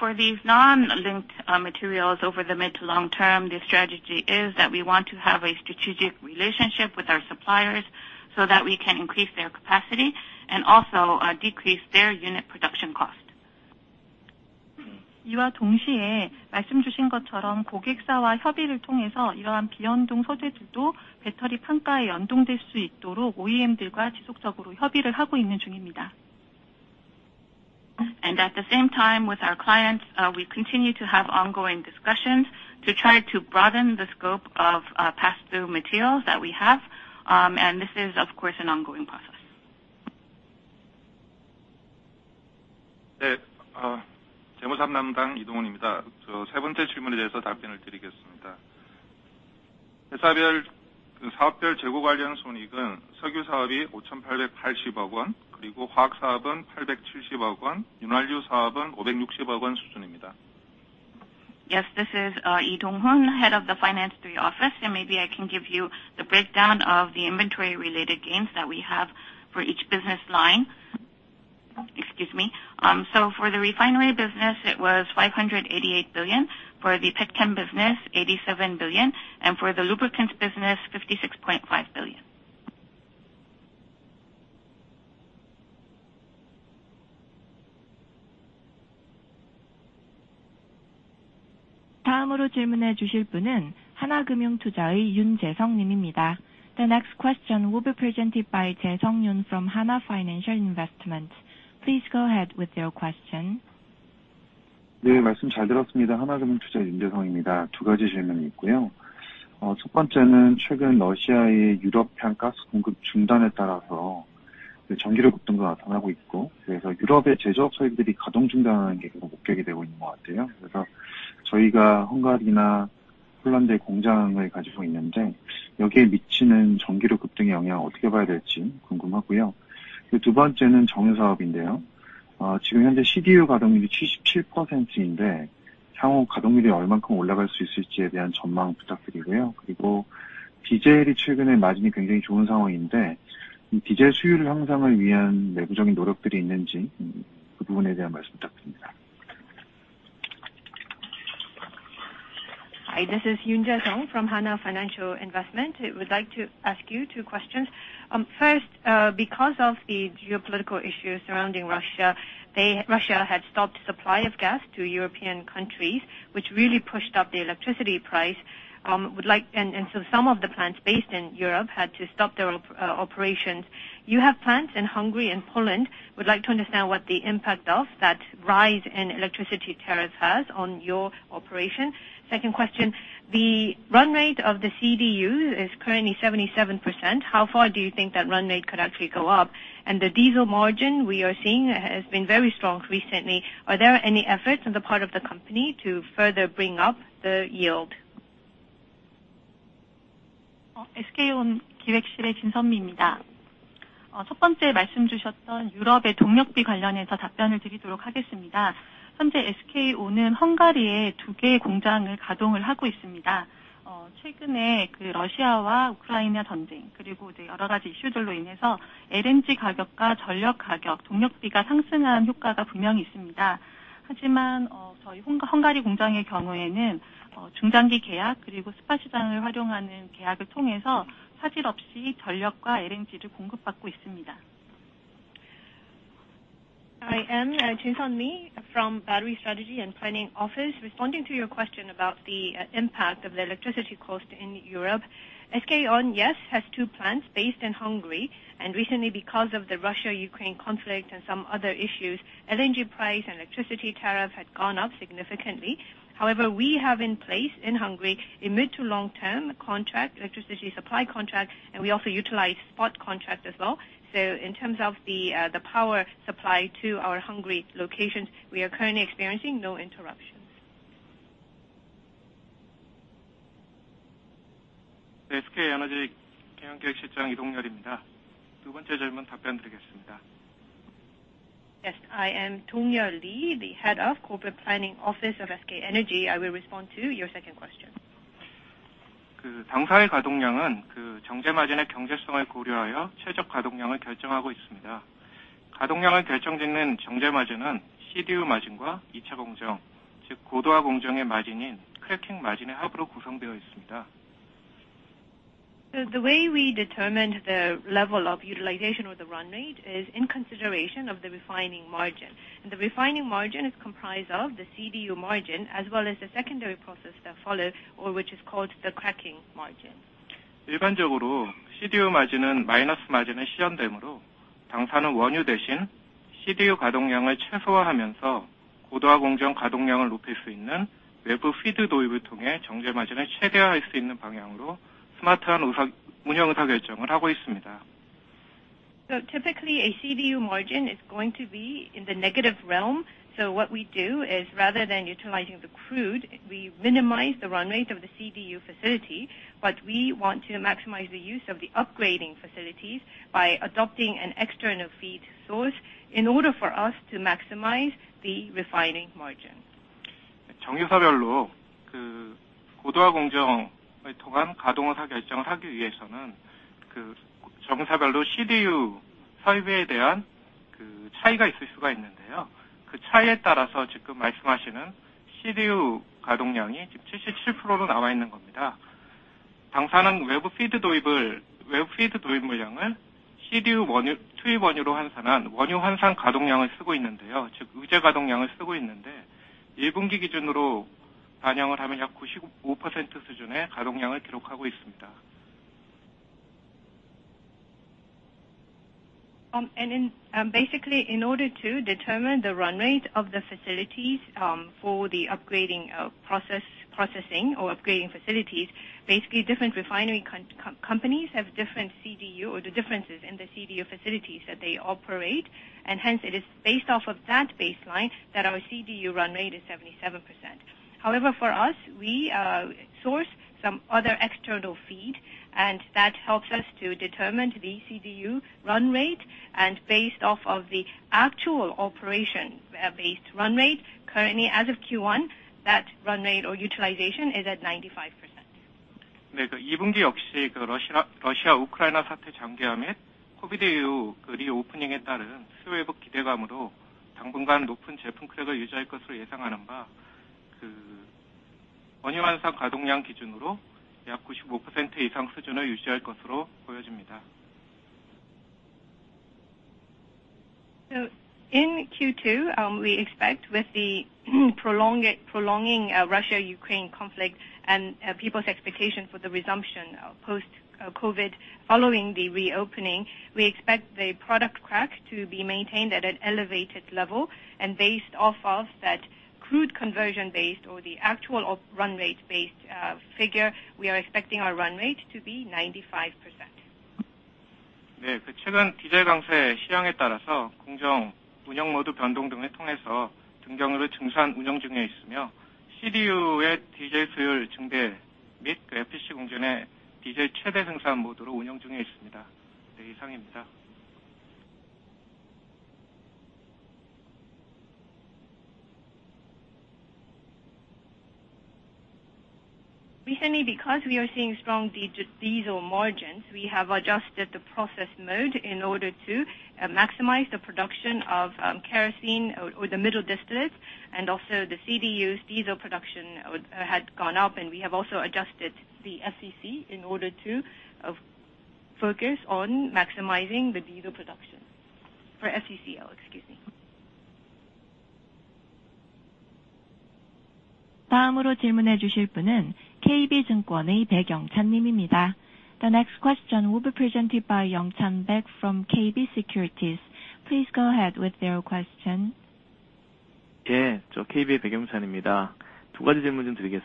B: For these non-linked materials over the mid to long term, the strategy is that we want to have a strategic relationship with our suppliers so that we can increase their capacity and also decrease their unit production cost.
G: 이와 동시에 말씀주신 것처럼 고객사와 협의를 통해서 이러한 비연동 소재들도 배터리 평가에 연동될 수 있도록 OEM들과 지속적으로 협의를 하고 있는 중입니다.
B: At the same time with our clients, we continue to have ongoing discussions to try to broaden the scope of pass through materials that we have. This is, of course, an ongoing process.
I: 재무사업담당 이동훈입니다. 세 번째 질문에 대해서 답변을 드리겠습니다. 회사별, 사업별 재고 관련 손익은 석유 사업이 5,880억원, 화학 사업은 870억원, 윤활유 사업은 560억원 수준입니다.
B: Yes, this is Lee Dong-hoon, head of the Finance 3 Office, and maybe I can give you the breakdown of the inventory related gains that we have for each business line. Excuse me. For the refinery business, it was 588 billion. For the petchem business, 87 billion, and for the lubricants business, 56.5 billion.
C: 다음으로 질문해 주실 분은 하나금융투자의 윤재성님입니다. The next question will be presented by Yoon Jae-seong from Hana Financial Investment. Please go ahead with your question.
J: 네, 말씀 잘 들었습니다. 하나금융투자 윤재성입니다. 두 가지 질문이 있고요. 첫 번째는 최근 러시아의 유럽향 가스 공급 중단에 따라서 전기료 급등도 나타나고 있고, 유럽의 제조업체들이 가동 중단하는 게 계속 목격이 되고 있는 것 같아요. 저희가 헝가리나 폴란드의 공장을 가지고 있는데 여기에 미치는 전기료 급등의 영향을 어떻게 봐야 될지 궁금하고요. 두 번째는 정유 사업인데요. 지금 현재 CDU 가동률이 77%인데 향후 가동률이 얼마큼 올라갈 수 있을지에 대한 전망 부탁드리고요. 그리고 디젤이 최근에 마진이 굉장히 좋은 상황인데, 이 디젤 수요 향상을 위한 내부적인 노력들이 있는지, 그 부분에 대한 말씀 부탁드립니다.
B: Hi, this is 윤재성 from Hana Financial Investment. I would like to ask you two questions. First, because of the geopolitical issues surrounding Russia had stopped supply of gas to European countries, which really pushed up the electricity price. Some of the plants based in Europe had to stop their operations. You have plants in Hungary and Poland. Would like to understand what the impact of that rise in electricity tariffs has on your operation. Second question, the run rate of the CDU is currently 77%. How far do you think that run rate could actually go up? The diesel margin we are seeing has been very strong recently. Are there any efforts on the part of the company to further bring up the yield?
G: SK On 기획실의 진선미입니다. 첫 번째 말씀주셨던 유럽의 동력비 관련해서 답변을 드리도록 하겠습니다. 현재 SK On은 헝가리에 두 개의 공장을 가동을 하고 있습니다. 최근에 러시아와 우크라이나 전쟁, 그리고 여러 가지 이슈들로 인해서 LNG 가격과 전력 가격, 동력비가 상승한 효과가 분명히 있습니다. 하지만 저희 헝가리 공장의 경우에는 중장기 계약 그리고 스팟 시장을 활용하는 계약을 통해서 차질 없이 전력과 LNG를 공급받고 있습니다.
B: I am Jin Seonmi from Battery Strategy and Planning Office. Responding to your question about the impact of the electricity cost in Europe. SK On, yes, has two plants based in Hungary. Recently because of the Russia/Ukraine conflict and some other issues, LNG price and electricity tariff had gone up significantly. However, we have in place in Hungary a mid to long term contract, electricity supply contract, and we also utilize spot contract as well. In terms of the power supply to our Hungary locations, we are currently experiencing no interruptions.
K: 네, SK에너지 경영기획실장 이동열입니다. 두 번째 질문 답변드리겠습니다.
B: Yes, I am Lee Dong-yeol, the Head of Corporate Planning Office of SK Energy. I will respond to your second question.
K: 당사의 가동량은 정제마진의 경제성을 고려하여 최적 가동량을 결정하고 있습니다. 가동량을 결정짓는 정제마진은 CDU 마진과 이차공정, 즉 고도화 공정의 마진인 크래킹 마진의 합으로 구성되어 있습니다.
B: The way we determine the level of utilization or the run rate is in consideration of the refining margin. The refining margin is comprised of the CDU margin as well as the secondary process that follow or which is called the cracking margin. Typically a CDU margin is going to be in the negative realm. What we do is rather than utilizing the crude, we minimize the run rate of the CDU facility. We want to maximize the use of the upgrading facilities by adopting an external feed source in order for us to maximize the refining margin. Basically in order to determine the run rate of the facilities for the upgrading processing or upgrading facilities, basically different refinery companies have different CDU or the differences in the CDU facilities that they operate. Hence it is based off of that baseline that our CDU run rate is 77%. However, for us, we source some other external feed, and that helps us to determine the CDU run rate. Based off of the actual operation, based run rate currently as of Q1, that run rate or utilization is at 95%. In Q2, we expect with the prolonging Russia-Ukraine conflict and people's expectation for the resumption of post COVID following the reopening, we expect the product crack to be maintained at an elevated level. Based off of that crude conversion based or the actual run rate based figure, we are expecting our run rate to be 95%. Recently, because we are seeing strong diesel margins, we have adjusted the process mode in order to maximize the production of kerosene or the middle distillates and also the CDU's diesel production would had gone up, and we have also adjusted the FCC in order to focus on maximizing the diesel production. For FCC, excuse me.
C: The next question will be presented by Baek Young-chan from KB Securities. Please go ahead with your question.
L: Yes. Thank you for the opportunity to ask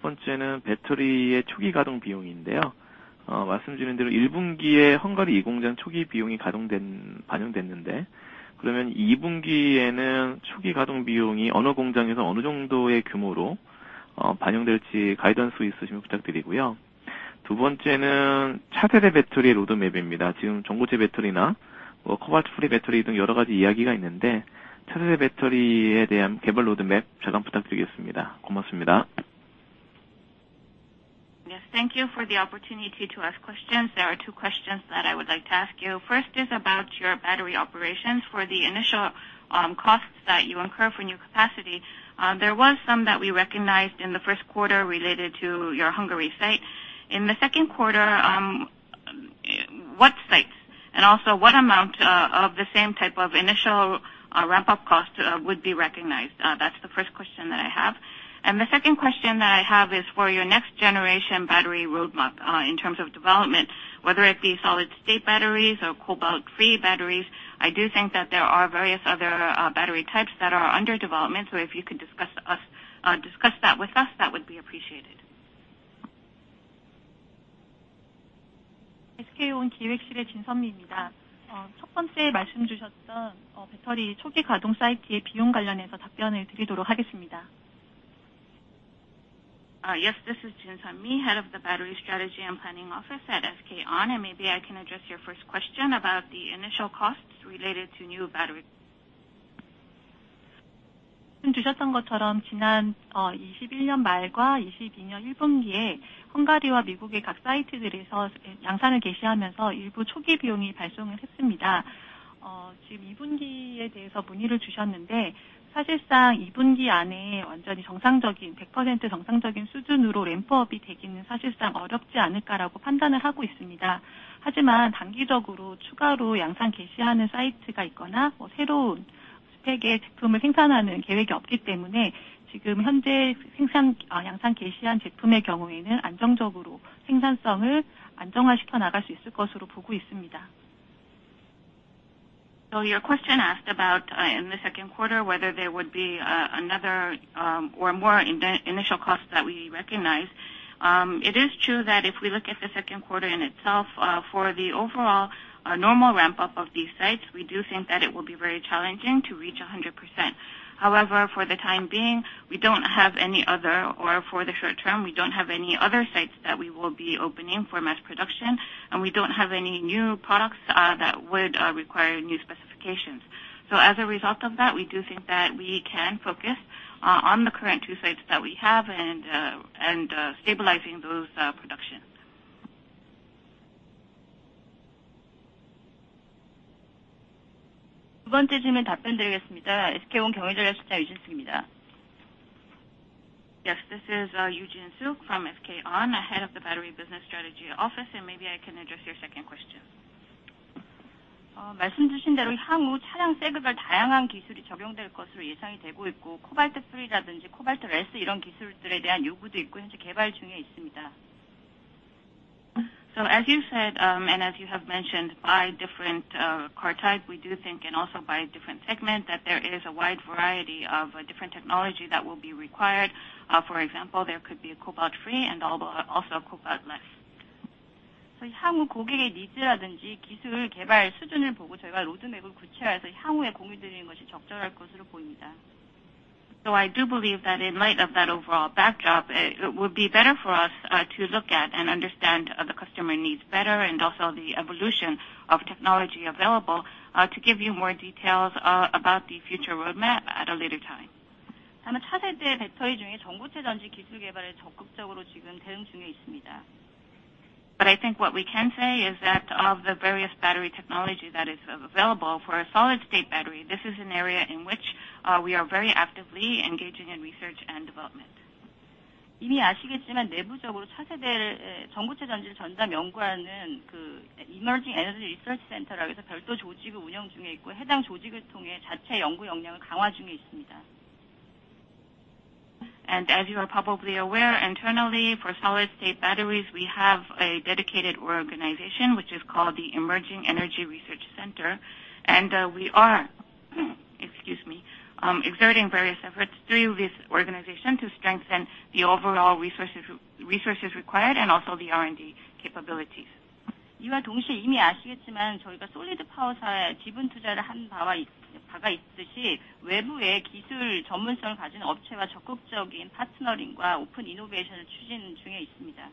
L: questions. There are two questions that I would like to ask you. First is about your battery operations. For the initial costs that you incur for new capacity, there was some that we recognized in the first quarter related to your Hungary site. In the second quarter, what sites and also what amount of the same type of initial ramp-up cost would be recognized? That's the first question that I have. The second question that I have is for your next generation battery roadmap, in terms of development. Whether it be solid-state batteries or cobalt-free batteries, I do think that there are various other battery types that are under development. If you could discuss that with us, that would be appreciated.
B: Yes, this is Jin Seonmi, Head of the Battery Strategy and Planning Office at SK On, and maybe I can address your first question about the initial costs related to new battery.
G: 지금 이 분기에 대해서 문의를 주셨는데, 사실상 이 분기 안에 완전히 정상적인, 100% 정상적인 수준으로 램프업이 되기는 사실상 어렵지 않을까라고 판단을 하고 있습니다. 하지만 단기적으로 추가로 양산 개시하는 사이트가 있거나 새로운 스펙의 제품을 생산하는 계획이 없기 때문에, 지금 현재 양산 개시한 제품의 경우에는 안정적으로 생산성을 안정화시켜 나갈 수 있을 것으로 보고 있습니다.
B: Your question asked about in the second quarter whether there would be another or more initial costs that we recognize. It is true that if we look at the second quarter in itself, for the overall normal ramp up of these sites, we do think that it will be very challenging to reach 100%. However, for the time being, we don't have any other, or for the short term, we don't have any other sites that we will be opening for mass production, and we don't have any new products that would require new specifications. As a result of that, we do think that we can focus on the current two sites that we have and stabilizing those productions.
M: 두 번째 질문 답변드리겠습니다. SK On 경제저널의 기자 유진숙입니다.
B: Yes. This is Yu Jin Sook from SK On, head of the battery business strategy office, and maybe I can address your second question.
M: 말씀 주신 대로 향후 차량 세그별 다양한 기술이 적용될 것으로 예상이 되고 있고, cobalt-free라든지 cobalt-less 이런 기술들에 대한 요구도 있고 현재 개발 중에 있습니다.
B: As you said, and as you have mentioned by different car type, we do think and also by different segment that there is a wide variety of different technology that will be required. For example, there could be a cobalt-free and also a cobalt-less.
M: 그래서 향후 고객의 니즈라든지 기술 개발 수준을 보고 저희가 로드맵을 구체화해서 향후에 공유드리는 것이 적절할 것으로 보입니다.
B: I do believe that in light of that overall backdrop, it would be better for us to look at and understand the customer needs better and also the evolution of technology available to give you more details about the future roadmap at a later time.
M: 다음은 차세대 배터리 중에 전고체 전지 기술 개발에 적극적으로 지금 대응 중에 있습니다.
B: I think what we can say is that of the various battery technology that is available for a solid-state battery, this is an area in which we are very actively engaging in research and development.
M: 이미 아시겠지만 내부적으로 차세대 전고체 전지를 전담 연구하는 Emerging Energy Research Center라고 해서 별도 조직을 운영 중에 있고, 해당 조직을 통해 자체 연구 역량을 강화 중에 있습니다.
B: As you are probably aware, internally for solid-state batteries, we have a dedicated organization which is called the Emerging Energy Research Center. We are exerting various efforts through this organization to strengthen the overall resources required and also the R&D capabilities.
M: 이와 동시에 이미 아시겠지만 저희가 Solid Power사에 지분 투자를 한 바가 있듯이 외부에 기술 전문성을 가진 업체와 적극적인 파트너링과 오픈 이노베이션을 추진 중에 있습니다.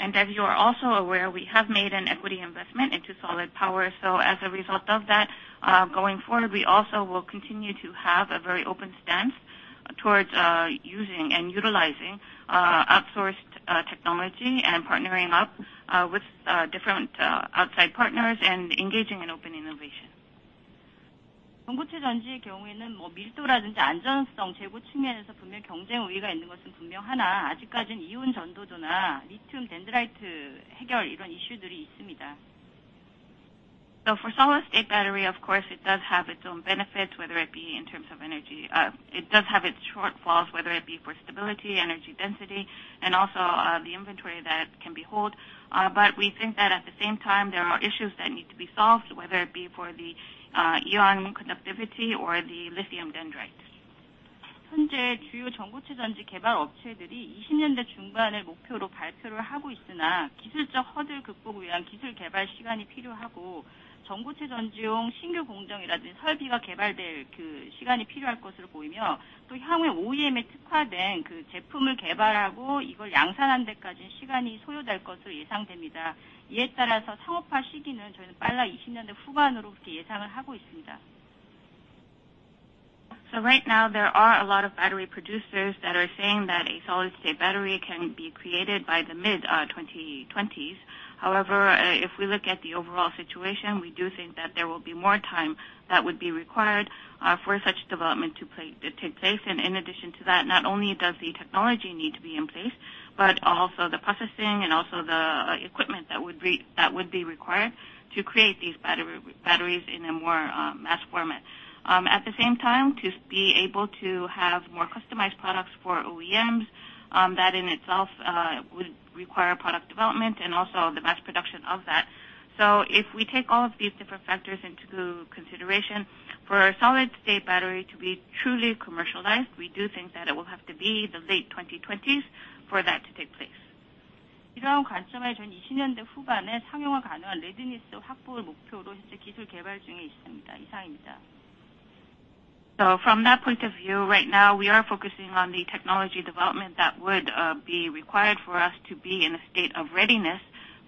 B: As you are also aware, we have made an equity investment into Solid Power. As a result of that, going forward, we also will continue to have a very open stance towards using and utilizing outsourced technology and partnering up with different outside partners and engaging in open innovation.
M: 전고체 전지의 경우에는 밀도라든지 안전성, 재고 측면에서 분명 경쟁 우위가 있는 것은 분명하나 아직까진 이온 전도도나 리튬 덴드라이트 해결 이런 이슈들이 있습니다.
B: For solid-state battery, of course, it does have its own benefits, whether it be in terms of energy. It does have its shortfalls, whether it be for stability, energy density, and also, the inventory that it can behold. But we think that at the same time, there are more issues that need to be solved, whether it be for the ion conductivity or the lithium dendrites.
M: 현재 주요 전고체 전지 개발 업체들이 2020년대 중반을 목표로 발표를 하고 있으나 기술적 허들 극복을 위한 기술 개발 시간이 필요하고, 전고체 전지용 신규 공정이라든지 설비가 개발될 그 시간이 필요할 것으로 보이며, 또 향후 OEM에 특화된 그 제품을 개발하고 이걸 양산하는 데까지 시간이 소요될 것으로 예상됩니다. 이에 따라서 상업화 시기는 저희는 빨라도 2020년대 후반으로 그렇게 예상을 하고 있습니다.
B: Right now there are a lot of battery producers that are saying that a solid-state battery can be created by the mid-2020s. However, if we look at the overall situation, we do think that there will be more time that would be required for such development to take place. In addition to that, not only does the technology need to be in place, but also the processing and also the equipment that would be required to create these batteries in a more mass format. At the same time, to be able to have more customized products for OEMs, that in itself would require product development and also the mass production of that. If we take all of these different factors into consideration, for a solid-state battery to be truly commercialized, we do think that it will have to be the late 2020s for that to take place.
M: 이러한 관점에서 저희는 이십 년대 후반에 상용화 가능한 readiness 확보를 목표로 현재 기술 개발 중에 있습니다. 이상입니다.
B: From that point of view, right now we are focusing on the technology development that would be required for us to be in a state of readiness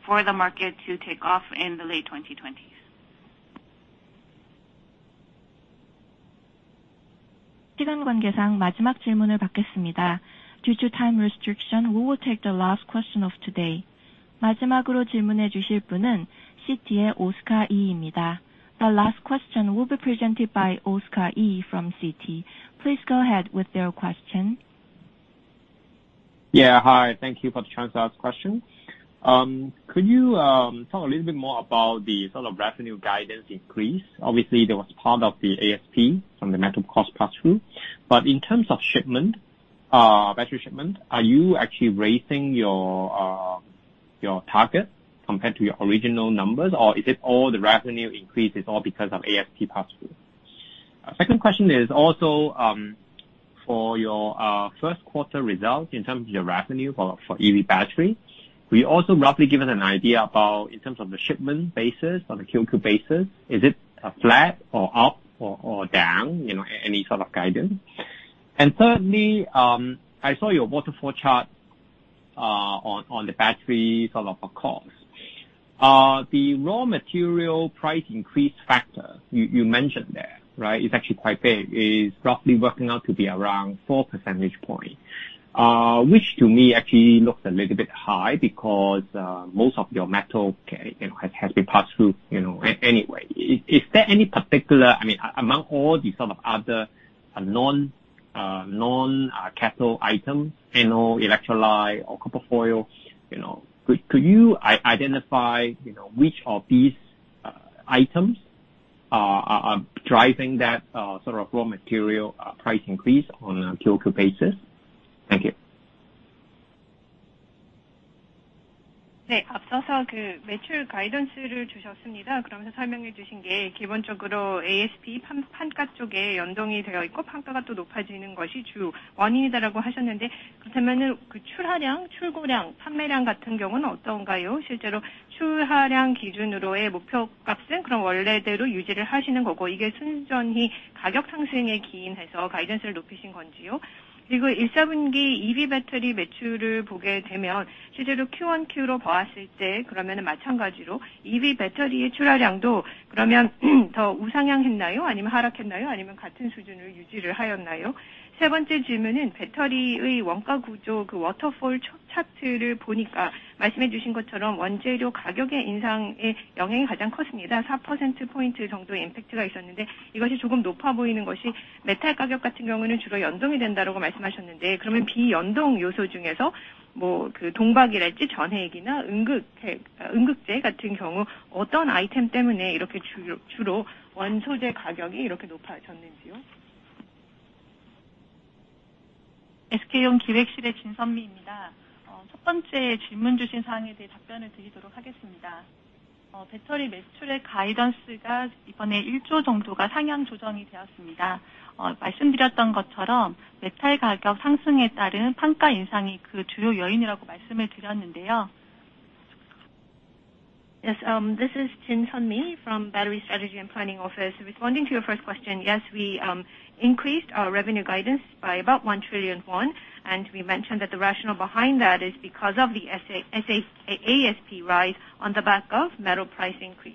B: for the market to take off in the late 2020s.
C: 시간 관계상 마지막 질문을 받겠습니다. Due to time restriction, we will take the last question of today. 마지막으로 질문해 주실 분은 Citi의 Oscar Lee입니다. The last question will be presented by Oscar Lee from Citi. Please go ahead with your question.
N: Thank you for the chance to ask question. Could you talk a little bit more about the sort of revenue guidance increase? Obviously, there was part of the ASP from the metal cost pass through. But in terms of shipment, battery shipment, are you actually raising your target compared to your original numbers, or is the revenue increase all because of ASP pass through? Second question is also for your first quarter results in terms of your revenue for EV battery. Will you also roughly give us an idea about in terms of the shipment basis on a QOQ basis, is it flat or up or down? You know, any sort of guidance? Thirdly, I saw your waterfall chart on the battery sort of cost. The raw material price increase factor you mentioned there, right, is actually quite big. It is roughly working out to be around four percentage points. Which to me actually looks a little bit high because most of your metals, you know, has been passed through, you know. Anyway, is there any particular? I mean, among all the sort of other non-cathode items, you know, electrolyte or copper foil, you know, could you identify, you know, which of these items are driving that sort of raw material price increase on a QOQ basis? Thank you.
B: 앞서서 매출 가이던스를 주셨습니다. 그러면서 설명해 주신 게 기본적으로 ASP 판가 쪽에 연동이 되어 있고, 판가가 높아지는 것이 주 원인이다라고 하셨는데, 그렇다면 출하량, 출고량, 판매량 같은 경우는 어떤가요? 실제로 출하량 기준으로의 목표값은 원래대로 유지를 하시는 거고, 이게 순전히 가격 상승에 기인해서 가이던스를 높이신 건지요. 그리고 일사분기 EV 배터리 매출을 보게 되면 실제로 QOQ로 보았을 때, 마찬가지로 EV 배터리의 출하량도 더 우상향 했나요? 아니면 하락했나요? 아니면 같은 수준을 유지를 하였나요? 세 번째 질문은 배터리의 원가 구조, 워터폴 차트를 보니까 말씀해 주신 것처럼 원재료 가격 인상의 영향이 가장 컸습니다. 4%포인트 정도의 임팩트가 있었는데, 이것이 조금 높아 보이는 것이 메탈 가격 같은 경우에는 주로 연동이 된다라고 말씀하셨는데, 그러면 비연동 요소 중에서 동박이랄지 전해액이나 음극재 같은 경우 어떤 아이템 때문에 주로 원소재 가격이 이렇게 높아졌는지요? SK On 기획실의 진선미입니다. 첫 번째 질문 주신 사항에 대해 답변을 드리도록 하겠습니다.
G: 배터리 매출의 가이던스가 이번에 1조 정도가 상향 조정이 되었습니다. 말씀드렸던 것처럼 메탈 가격 상승에 따른 판가 인상이 그 주요 요인이라고 말씀을 드렸는데요.
B: This is Jin Seonmi from Battery Strategy and Planning Office. Responding to your first question, yes, we increased our revenue guidance by about one trillion won, and we mentioned that the rationale behind that is because of the ASP rise on the back of metal price increase.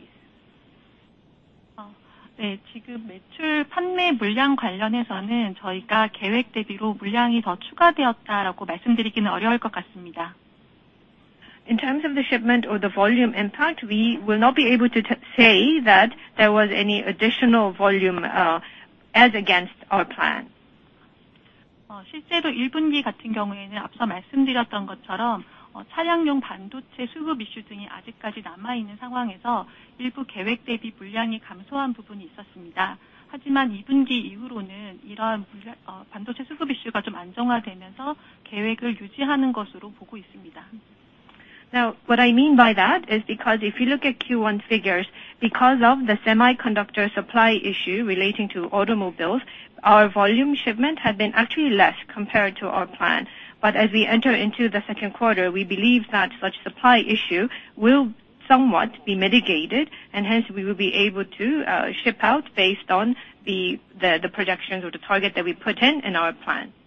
G: 지금 매출 판매 물량 관련해서는 저희가 계획 대비로 물량이 더 추가되었다라고 말씀드리기는 어려울 것 같습니다.
B: In terms of the shipment or the volume impact, we will not be able to say that there was any additional volume, as against our plan.
G: 실제로 1분기 같은 경우에는 앞서 말씀드렸던 것처럼, 차량용 반도체 수급 이슈 등이 아직까지 남아있는 상황에서 일부 계획 대비 물량이 감소한 부분이 있었습니다.이분기 이후로는 이러한 물량, 반도체 수급 이슈가 좀 안정화되면서 계획을 유지하는 것으로 보고 있습니다.
B: Now what I mean by that is because if you look at Q1 figures because of the semiconductor supply issue relating to automobiles, our volume shipment had been actually less compared to our plan. As we enter into the second quarter, we believe that such supply issue will somewhat be mitigated and hence we will be able to ship out based on the projections or the target that we put in our plan.